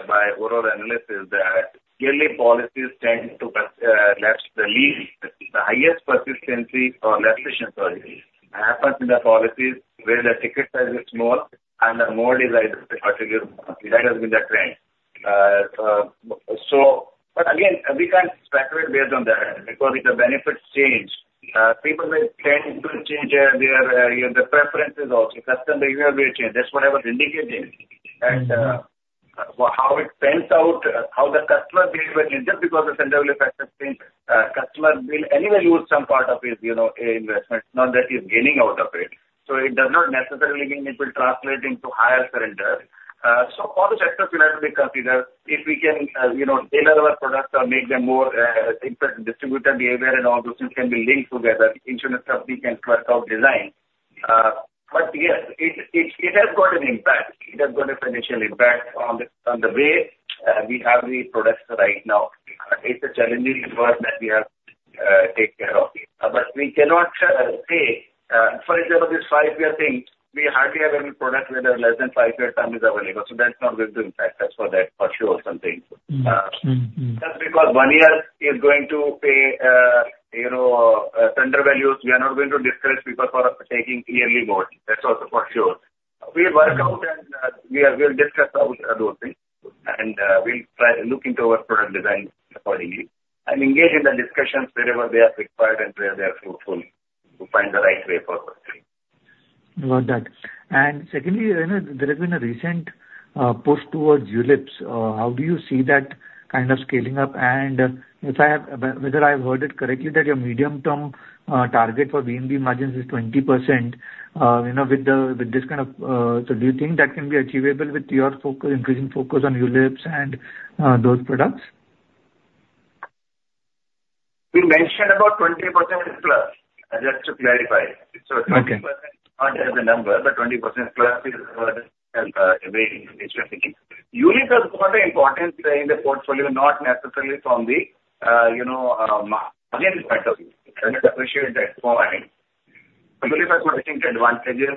by overall analysis, that yearly policies tend to last the least, the highest persistency or cessation, sorry, happens in the policies where the ticket size is small and the mode is like particular. That has been the trend. So... But again, we can't speculate based on that because the benefits change. People will tend to change their the preferences also. Customer behavior will change. That's what I was indicating. Mm-hmm. And, how it pans out, how the customer behave, just because the surrender will affect the thing, customer will anyway use some part of his, you know, investment, now that he's gaining out of it. So it does not necessarily mean it will translate into higher surrender. So all the sectors will have to be considered if we can, you know, tailor our products or make them more impact distributor behavior and all those things can be linked together. Insurance company can flesh out design. But yes, it has got an impact. It has got a financial impact on the way we have the products right now. It's a challenging environment that we have to take care of. But we cannot say, for example, this five-year thing, we hardly have any product where there are less than five years term is available, so that's not going to impact us for that for sure or something. Mm-hmm. Mm-mm. Just because one year is going to pay, you know, surrender values, we are not going to discourage people for taking a yearly mode. That's also for sure. Mm-hmm. We'll work out and we'll discuss all those things, and we'll try to look into our product design accordingly and engage in the discussions wherever they are required and where they are fruitful to find the right way forward. Got that. And secondly, you know, there have been a recent push towards ULIPS. How do you see that kind of scaling up? And if I have, whether I've heard it correctly, that your medium-term target for VNB margins is 20%. You know, with the, with this kind of, so do you think that can be achievable with your focus, increasing focus on ULIPS and, those products? We mentioned about 20% plus, just to clarify. Okay. So 20% is not as a number, but 20% plus is weighting, which I think ULIP has got the importance in the portfolio, not necessarily from the you know margin point of view. I appreciate that point. ULIP has got advantages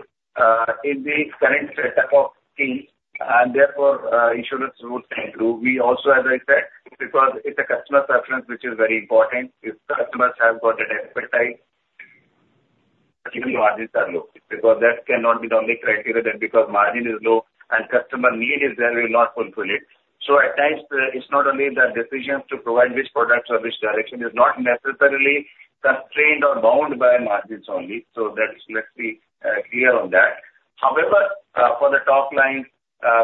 in the current setup of team, and therefore insurance rules and through. We also, as I said, because it's a customer preference, which is very important. If customers have got an appetite, even margins are low, because that cannot be the only criteria, that because margin is low and customer need is there, we'll not fulfill it. So at times it's not only the decisions to provide which product or which direction, it's not necessarily constrained or bound by margins only. So that's. Let's be clear on that. However, for the top line,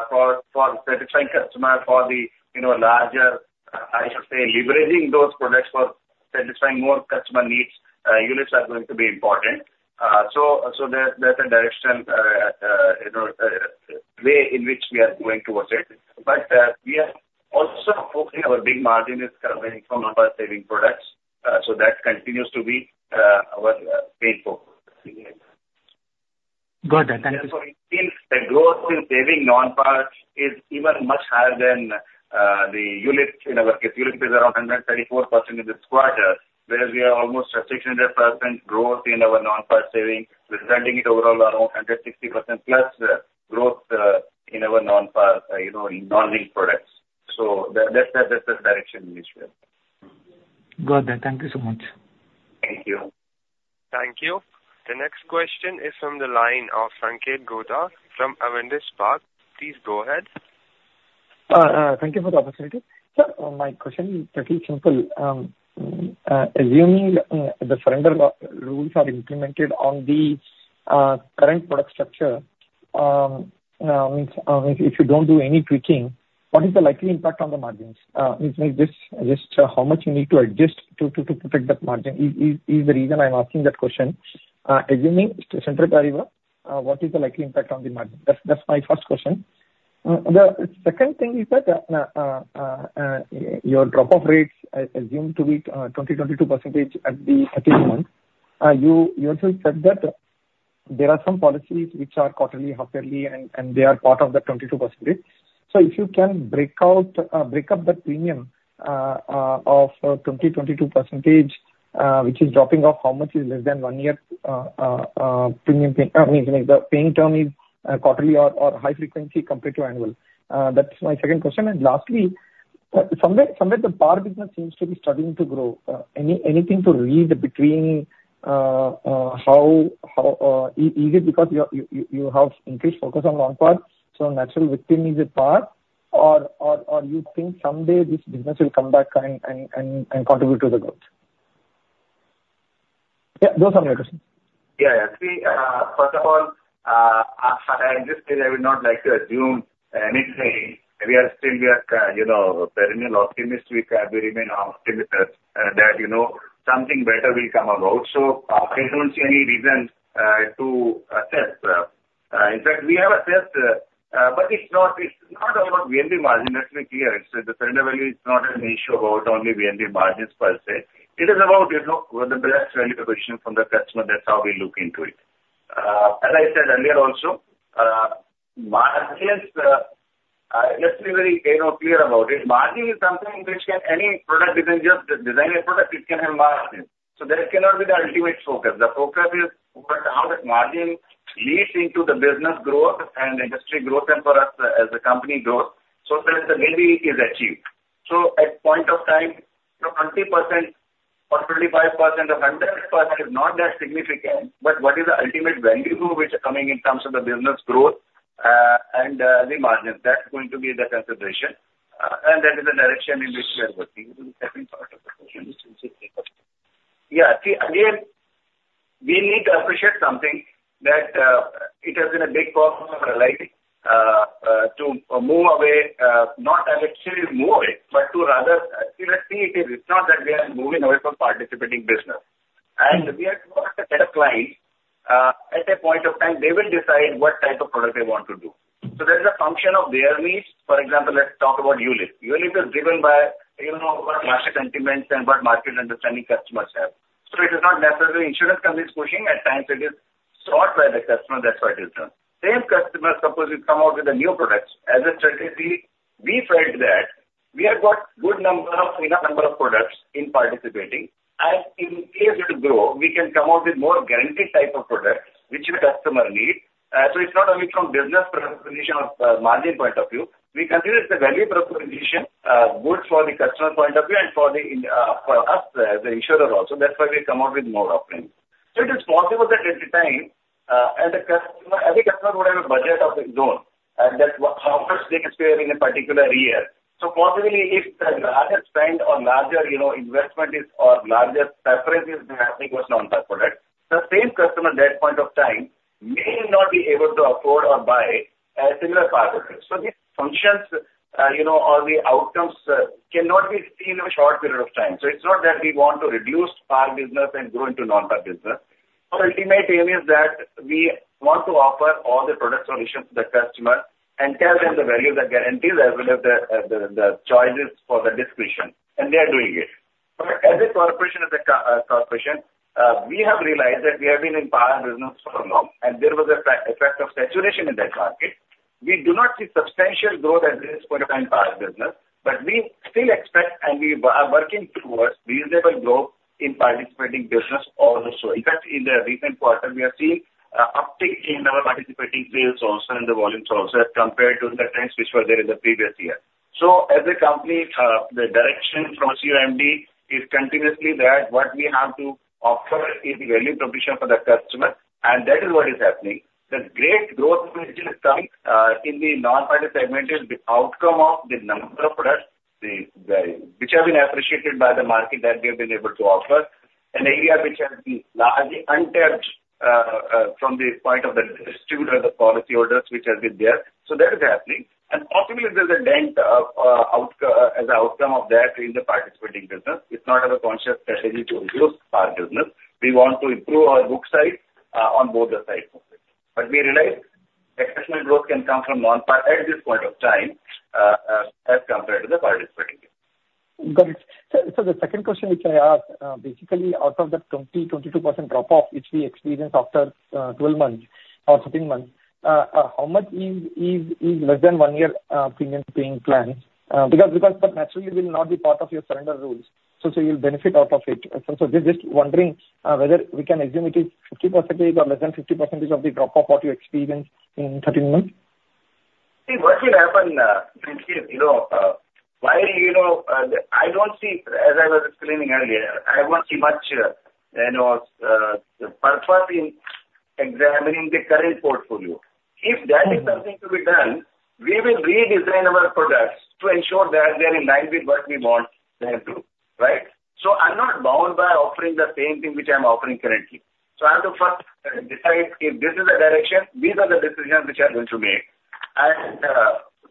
for satisfying customer, for the, you know, larger, I should say, leveraging those products for satisfying more customer needs, ULIPs are going to be important. So, that's the direction, you know, way in which we are going towards it. But, we are also focusing. Our big margin is coming from our saving products, so that continues to be our main focus. Got that. Thank you. The growth in saving non-par is even much higher than the ULIP. In our case, ULIP is around 134% in this quarter, whereas we are almost at 600% growth in our non-par saving, resulting in overall around 160%+ growth in our non-par, you know, in non-linked products. So that, that's the, that's the direction in which we are. Got that. Thank you so much. Thank you. Thank you. The next question is from the line of Sanketh Godha from Avendus Spark. Please go ahead. Thank you for the opportunity. Sir, my question is pretty simple. Assuming the surrender rules are implemented on the current product structure, if you don't do any tweaking, what is the likely impact on the margins? This, just how much you need to adjust to protect that margin is the reason I'm asking that question. Assuming it's ceteris paribus, what is the likely impact on the margin? That's my first question. The second thing is that your drop-off rates are assumed to be 22% at the 13 months. You also said that there are some policies which are quarterly, half yearly, and they are part of the 22%. So if you can break up the premium of 20-22%, which is dropping off, how much is less than one year premium? I mean, the paying term is quarterly or high frequency compared to annual. That's my second question. And lastly, somewhere the par business seems to be struggling to grow. Anything to read between how... Is it because you have increased focus on non-par, so naturally weakening the par, or you think someday this business will come back and contribute to the growth? Yeah, those are my questions. Yeah, yeah. See, first of all, as I just said, I would not like to assume anything. We are still, we are, you know, perennial optimistic. We remain optimistic, that, you know, something better will come about. So I don't see any reason to assess. In fact, we have assessed, but it's not, it's not about VNB margin. Let's be clear. It's the surrender value is not an issue about only VNB margins per se. It is about, you know, the best value proposition from the customer. That's how we look into it. As I said earlier also, margins, let's be very, you know, clear about it. Margin is something which can, any product, you can just design a product, it can have margin. So that cannot be the ultimate focus. The focus is but how that margin leads into the business growth and industry growth and for us as a company growth. So that the value is achieved. So at point of time, the 20% or 25% or 100% is not that significant, but what is the ultimate value which are coming in terms of the business growth, and, the margins? That's going to be the consideration, and that is the direction in which we are working. The second part of the question is... Yeah, see, again, we need to appreciate something that, it has been a big part of our life, to move away, not actually move away, but to rather, see, let's see, it is not that we are moving away from participating business. We are towards the better client, at a point of time, they will decide what type of product they want to do. So there's a function of their needs. For example, let's talk about ULIP. ULIP is driven by, you know, what market sentiments and what market understanding customers have. So it is not necessarily insurance companies pushing. At times, it is sought by the customer, that's why it is done. Same customer, suppose you come out with a new product. As a strategy, we felt that we have got good number of, enough number of products in participating, and in case it grow, we can come out with more guaranteed type of products which a customer need. So it's not only from business position or margin point of view, we consider it's a value proposition, good for the customer point of view and for the, for us, the insurer also, that's why we come out with more offerings. So it is possible that at the time, as a customer, every customer would have a budget of his own, and that's what, how much they can spare in a particular year. So possibly, if the larger spend or larger, you know, investment is or larger preference is, I think, was non-par product. The same customer at that point of time may not be able to afford or buy a similar car purchase. So the functions, you know, or the outcomes cannot be seen in a short period of time. So it's not that we want to reduce our business and grow into non-par business. Our ultimate aim is that we want to offer all the product solutions to the customer and tell them the value, the guarantees, as well as the choices for the discretion, and we are doing it. But as a corporation, we have realized that we have been in par business for long, and there was an effect of saturation in that market. We do not see substantial growth at this point of time in par business, but we still expect, and we are working towards reasonable growth in participating business also. In fact, in the recent quarter, we have seen an uptick in our participating sales also and the volumes also, as compared to the trends which were there in the previous year. So as a company, the direction from CMD is continuously that what we have to offer is value proposition for the customer, and that is what is happening. The great growth which is coming in the non-par segment is the outcome of the number of products, the, which have been appreciated by the market that we have been able to offer. An area which has been largely untouched from the point of the distributor, the policyholders, which have been there. So that is happening. And possibly there's a dent as an outcome of that in the participating business. It's not as a conscious strategy to reduce par business. We want to improve our book size on both the sides of it. But we realize exponential growth can come from non-par at this point of time, as compared to the participating. Got it. The second question, which I asked, basically out of that 22% drop-off which we experienced after 12 months or 13 months, how much is less than one year premium paying plan? Because that naturally will not be part of your surrender rules, so you'll benefit out of it. Just wondering whether we can assume it is 50% or less than 50% of the drop-off what you experience in 13 months? See, what will happen, you know, why, you know, the—I don't see, as I was explaining earlier, I won't see much, you know, purpose in examining the current portfolio. If there is something to be done, we will redesign our products to ensure that they're in line with what we want them to, right? So I'm not bound by offering the same thing which I'm offering currently. So I have to first decide if this is the direction, these are the decisions which are going to make. And,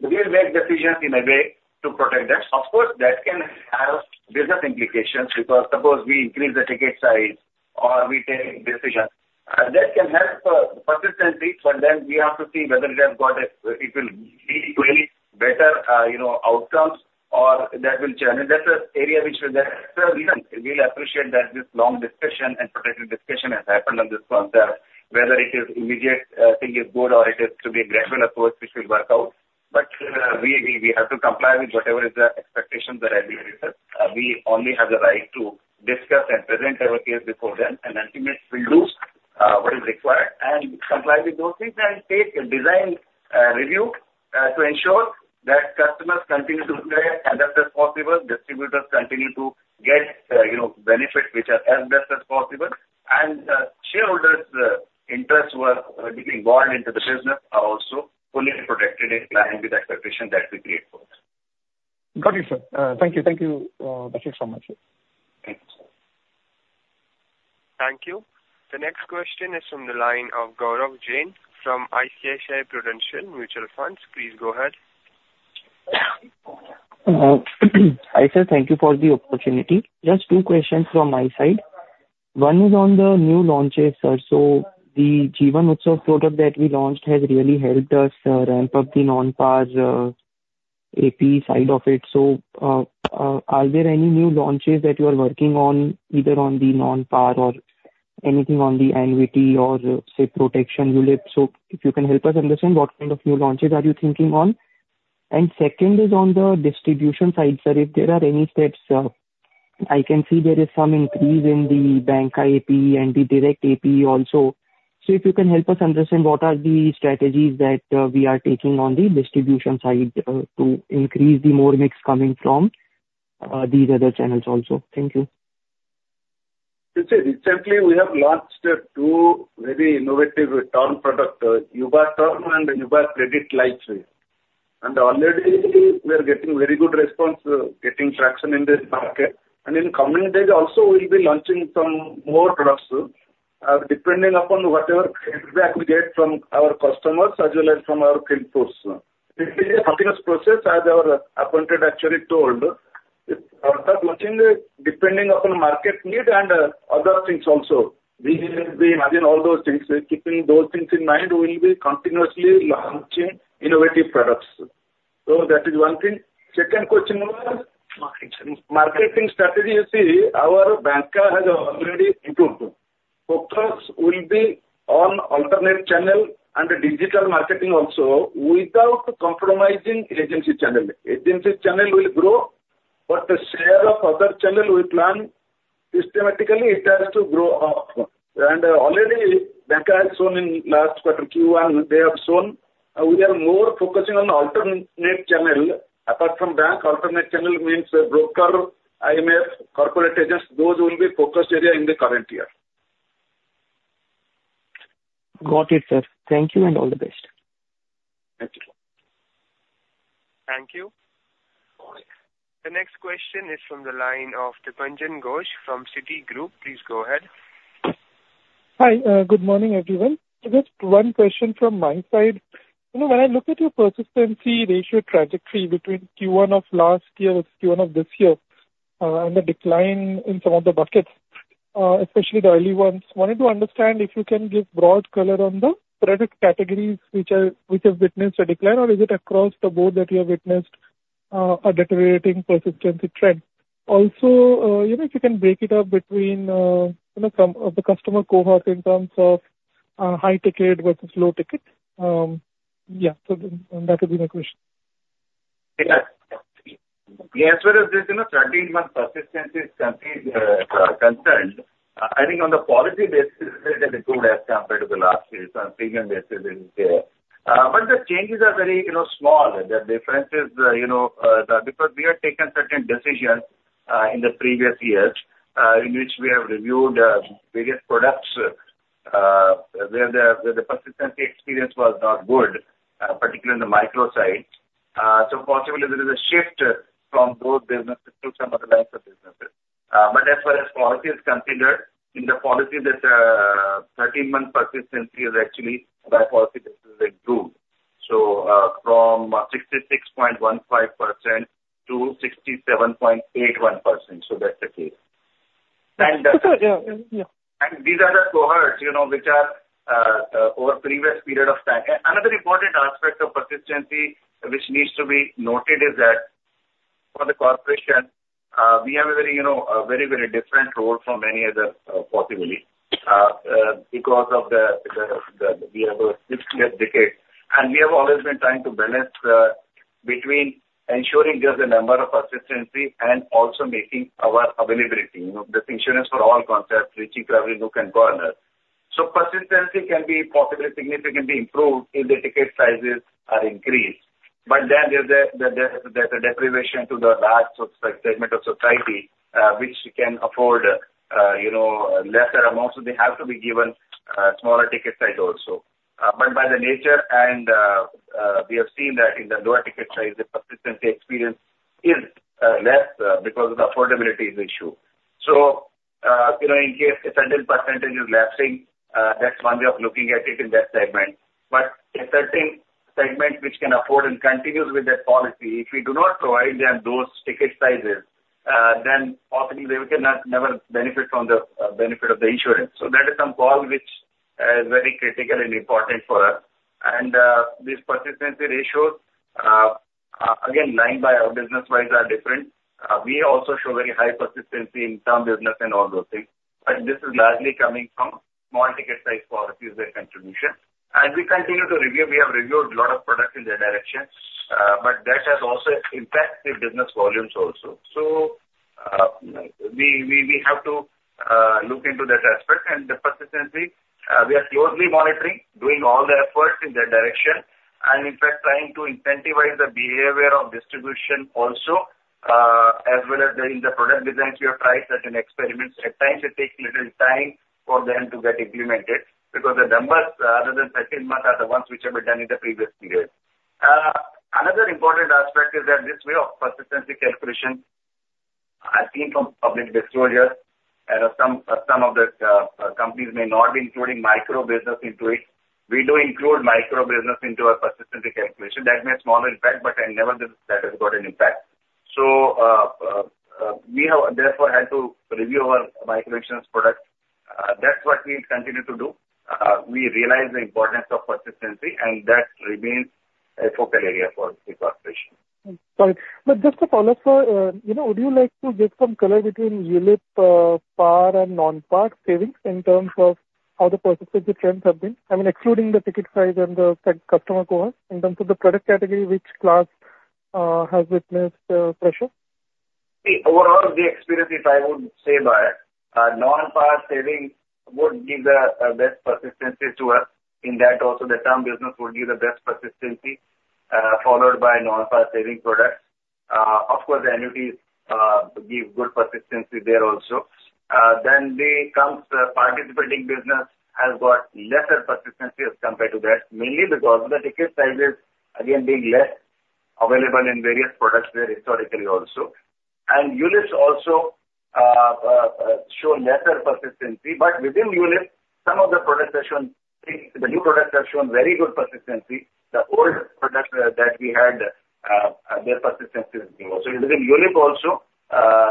we'll make decisions in a way to protect that. Of course, that can have business implications, because suppose we increase the ticket size or we take decisions, that can help, persistency, but then we have to see whether it has got a, it will lead to any better, you know, outcomes or that will change. That's an area which will then, we'll appreciate that this long discussion and productive discussion has happened on this concept. Whether it is immediate, thing is good or it is to be a gradual approach, which will work out. But, we have to comply with whatever is the expectations of the regulators. We only have the right to discuss and present our case before them, and ultimately we'll do what is required and comply with those things and take a design review to ensure that customers continue to stay as best as possible, distributors continue to get, you know, benefits which are as best as possible, and shareholders interests who are deeply involved into the business are also fully protected in line with the expectation that we create for them. Got it, sir. Thank you, thank you, thank you so much. Thank you, sir. Thank you. The next question is from the line of Gaurav Jain from ICICI Prudential Mutual Funds. Please go ahead. Hi, sir. Thank you for the opportunity. Just two questions from my side. One is on the new launches, sir. So the Jeevan Utsav product that we launched has really helped us ramp up the non-par AP side of it. So, are there any new launches that you are working on, either on the non-par or anything on the annuity or, say, protection ULIP? So if you can help us understand what kind of new launches are you thinking on. And second is on the distribution side, sir, if there are any steps, I can see there is some increase in the bank APE and the direct APE also. So if you can help us understand what are the strategies that we are taking on the distribution side to increase the more mix coming from these other channels also. Thank you. You see, recently we have launched two very innovative term products, Yuva Term and Yuva Credit Life. And already we are getting very good response, getting traction in the market. And in coming days also, we'll be launching some more products, depending upon whatever credits we aggregate from our customers as well as from our field force. It is a continuous process, as our appointed actuary told. It's worth launching, depending upon market need and, other things also. We, we imagine all those things. Keeping those things in mind, we'll be continuously launching innovative products. So that is one thing. Second question was? Marketing. Marketing strategy, you see, our banca has already improved. Focus will be on alternate channel and digital marketing also, without compromising agency channel. Agency channel will grow, but the share of other channel we plan systematically it has to grow up. And already banca has shown in last quarter, Q1, they have shown, we are more focusing on alternate channel. Apart from bank, alternate channel means broker, IMF, corporate agents, those will be focused area in the current year. Got it, sir. Thank you, and all the best.... is from the line of Dipanjan Ghosh from Citigroup. Please go ahead. Hi, good morning, everyone. Just one question from my side. You know, when I look at your persistency ratio trajectory between Q1 of last year with Q1 of this year, and the decline in some of the buckets, especially the early ones, wanted to understand if you can give broad color on the product categories which are, which have witnessed a decline, or is it across the board that you have witnessed, a deteriorating persistency trend? Also, you know, if you can break it up between, you know, some of the customer cohorts in terms of, high ticket versus low ticket. That would be my question. Yeah. Yeah, as far as this, you know, thirteen-month persistency is concerned, I think on the policy basis, it has improved as compared to the last year's on premium basis is there. But the changes are very, you know, small. The difference is, you know, because we have taken certain decisions, in the previous years, in which we have reviewed, various products, where the, where the persistency experience was not good, particularly in the micro side. So possibly there is a shift from those businesses to some other lines of businesses. But as far as policy is considered, in the policy that, thirteen-month persistency is actually by policy is improved, so, from 66.15% to 67.81%, so that's the case. Okay. Yeah, yeah. And these are the cohorts, you know, which are over previous period of time. Another important aspect of persistency which needs to be noted is that for the corporation, we have a very, you know, a very, very different role from any other, possibly, because of the, the, the, we have a 50-year decade, and we have always been trying to balance, between ensuring just the number of persistency and also making our availability. You know, this insurance for all concepts, reaching every nook and corner. So persistency can be possibly significantly improved if the ticket sizes are increased. But then there's the deprivation to the large segment of society, which can afford, you know, lesser amounts, so they have to be given, smaller ticket size also. But by the nature and, we have seen that in the lower ticket size, the persistency experience is less, because of the affordability is issue. So, you know, in case a certain percentage is lapsing, that's one way of looking at it in that segment. But a certain segment which can afford and continues with that policy, if we do not provide them those ticket sizes, then possibly they cannot never benefit from the benefit of the insurance. So that is some call which is very critical and important for us. And, this persistency ratios, again, line by or business wise are different. We also show very high persistency in some business and all those things, but this is largely coming from small ticket size policies, their contribution. As we continue to review, we have reviewed a lot of products in that direction, but that has also impacted the business volumes also. So, we have to look into that aspect and the persistency, we are closely monitoring, doing all the efforts in that direction, and in fact trying to incentivize the behavior of distribution also, as well as in the product designs, we have tried certain experiments. At times it takes little time for them to get implemented because the numbers, other than 13th month, are the ones which have been done in the previous period. Another important aspect is that this way of persistency calculation, I've seen from public disclosures, and some of the companies may not be including micro business into it. We do include micro business into our persistency calculation. That makes smaller impact, but I never did that has got an impact. So, we have therefore had to review our micro insurance products. That's what we'll continue to do. We realize the importance of persistency, and that remains a focal area for the corporation. Got it. But just a follow-up for, you know, would you like to give some color between ULIP, par and non-par savings in terms of how the persistency trends have been? I mean, excluding the ticket size and the customer cohorts, in terms of the product category, which class, has witnessed, pressure? The overall, the experience, if I would say, by non-par savings, would give the best persistency to us. In that also, the term business would give the best persistency, followed by non-par saving products. Of course, the annuities give good persistency there also. Then comes the participating business has got lesser persistency as compared to that, mainly because of the ticket sizes, again, being less available in various products there historically also. And ULIPs also show lesser persistency, but within ULIP, some of the products have shown, the new products have shown very good persistency. The old products that we had, their persistency is low. So within ULIP also,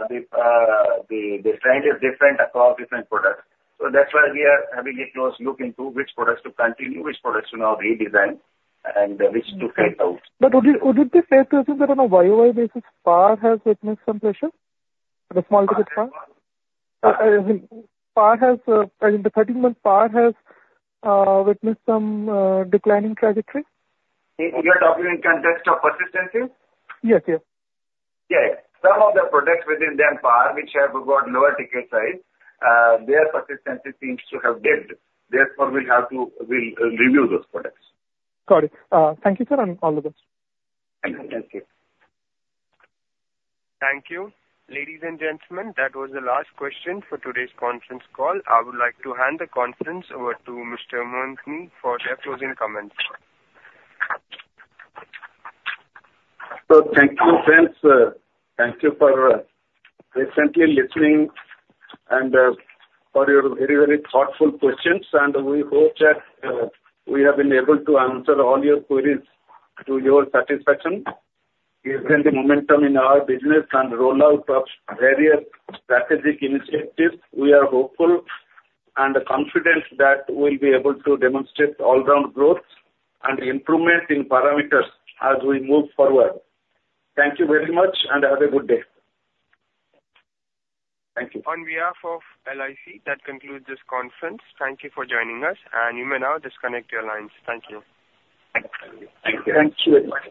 the trend is different across different products. That's why we are having a close look into which products to continue, which products to now redesign, and which to phase out. But would you, would it be fair to assume that on a YOY basis, par has witnessed some pressure at a small ticket front? Par has, in the 13 months, par has witnessed some declining trajectory? You are talking in context of persistency? Yes, yes. Yeah. Some of the products within the par, which have got lower ticket size, their persistency seems to have dipped. Therefore, we'll have to re-review those products. Got it. Thank you, sir, and all the best. Thank you. Thank you. Ladies and gentlemen, that was the last question for today's conference call. I would like to hand the conference over to Mr. Mohanty for their closing comments. So thank you, friends. Thank you for patiently listening and for your very, very thoughtful questions, and we hope that we have been able to answer all your queries to your satisfaction. Given the momentum in our business and rollout of various strategic initiatives, we are hopeful and confident that we'll be able to demonstrate all-round growth and improvement in parameters as we move forward. Thank you very much, and have a good day. Thank you. On behalf of LIC, that concludes this conference. Thank you for joining us, and you may now disconnect your lines. Thank you. Thank you. Thank you very much.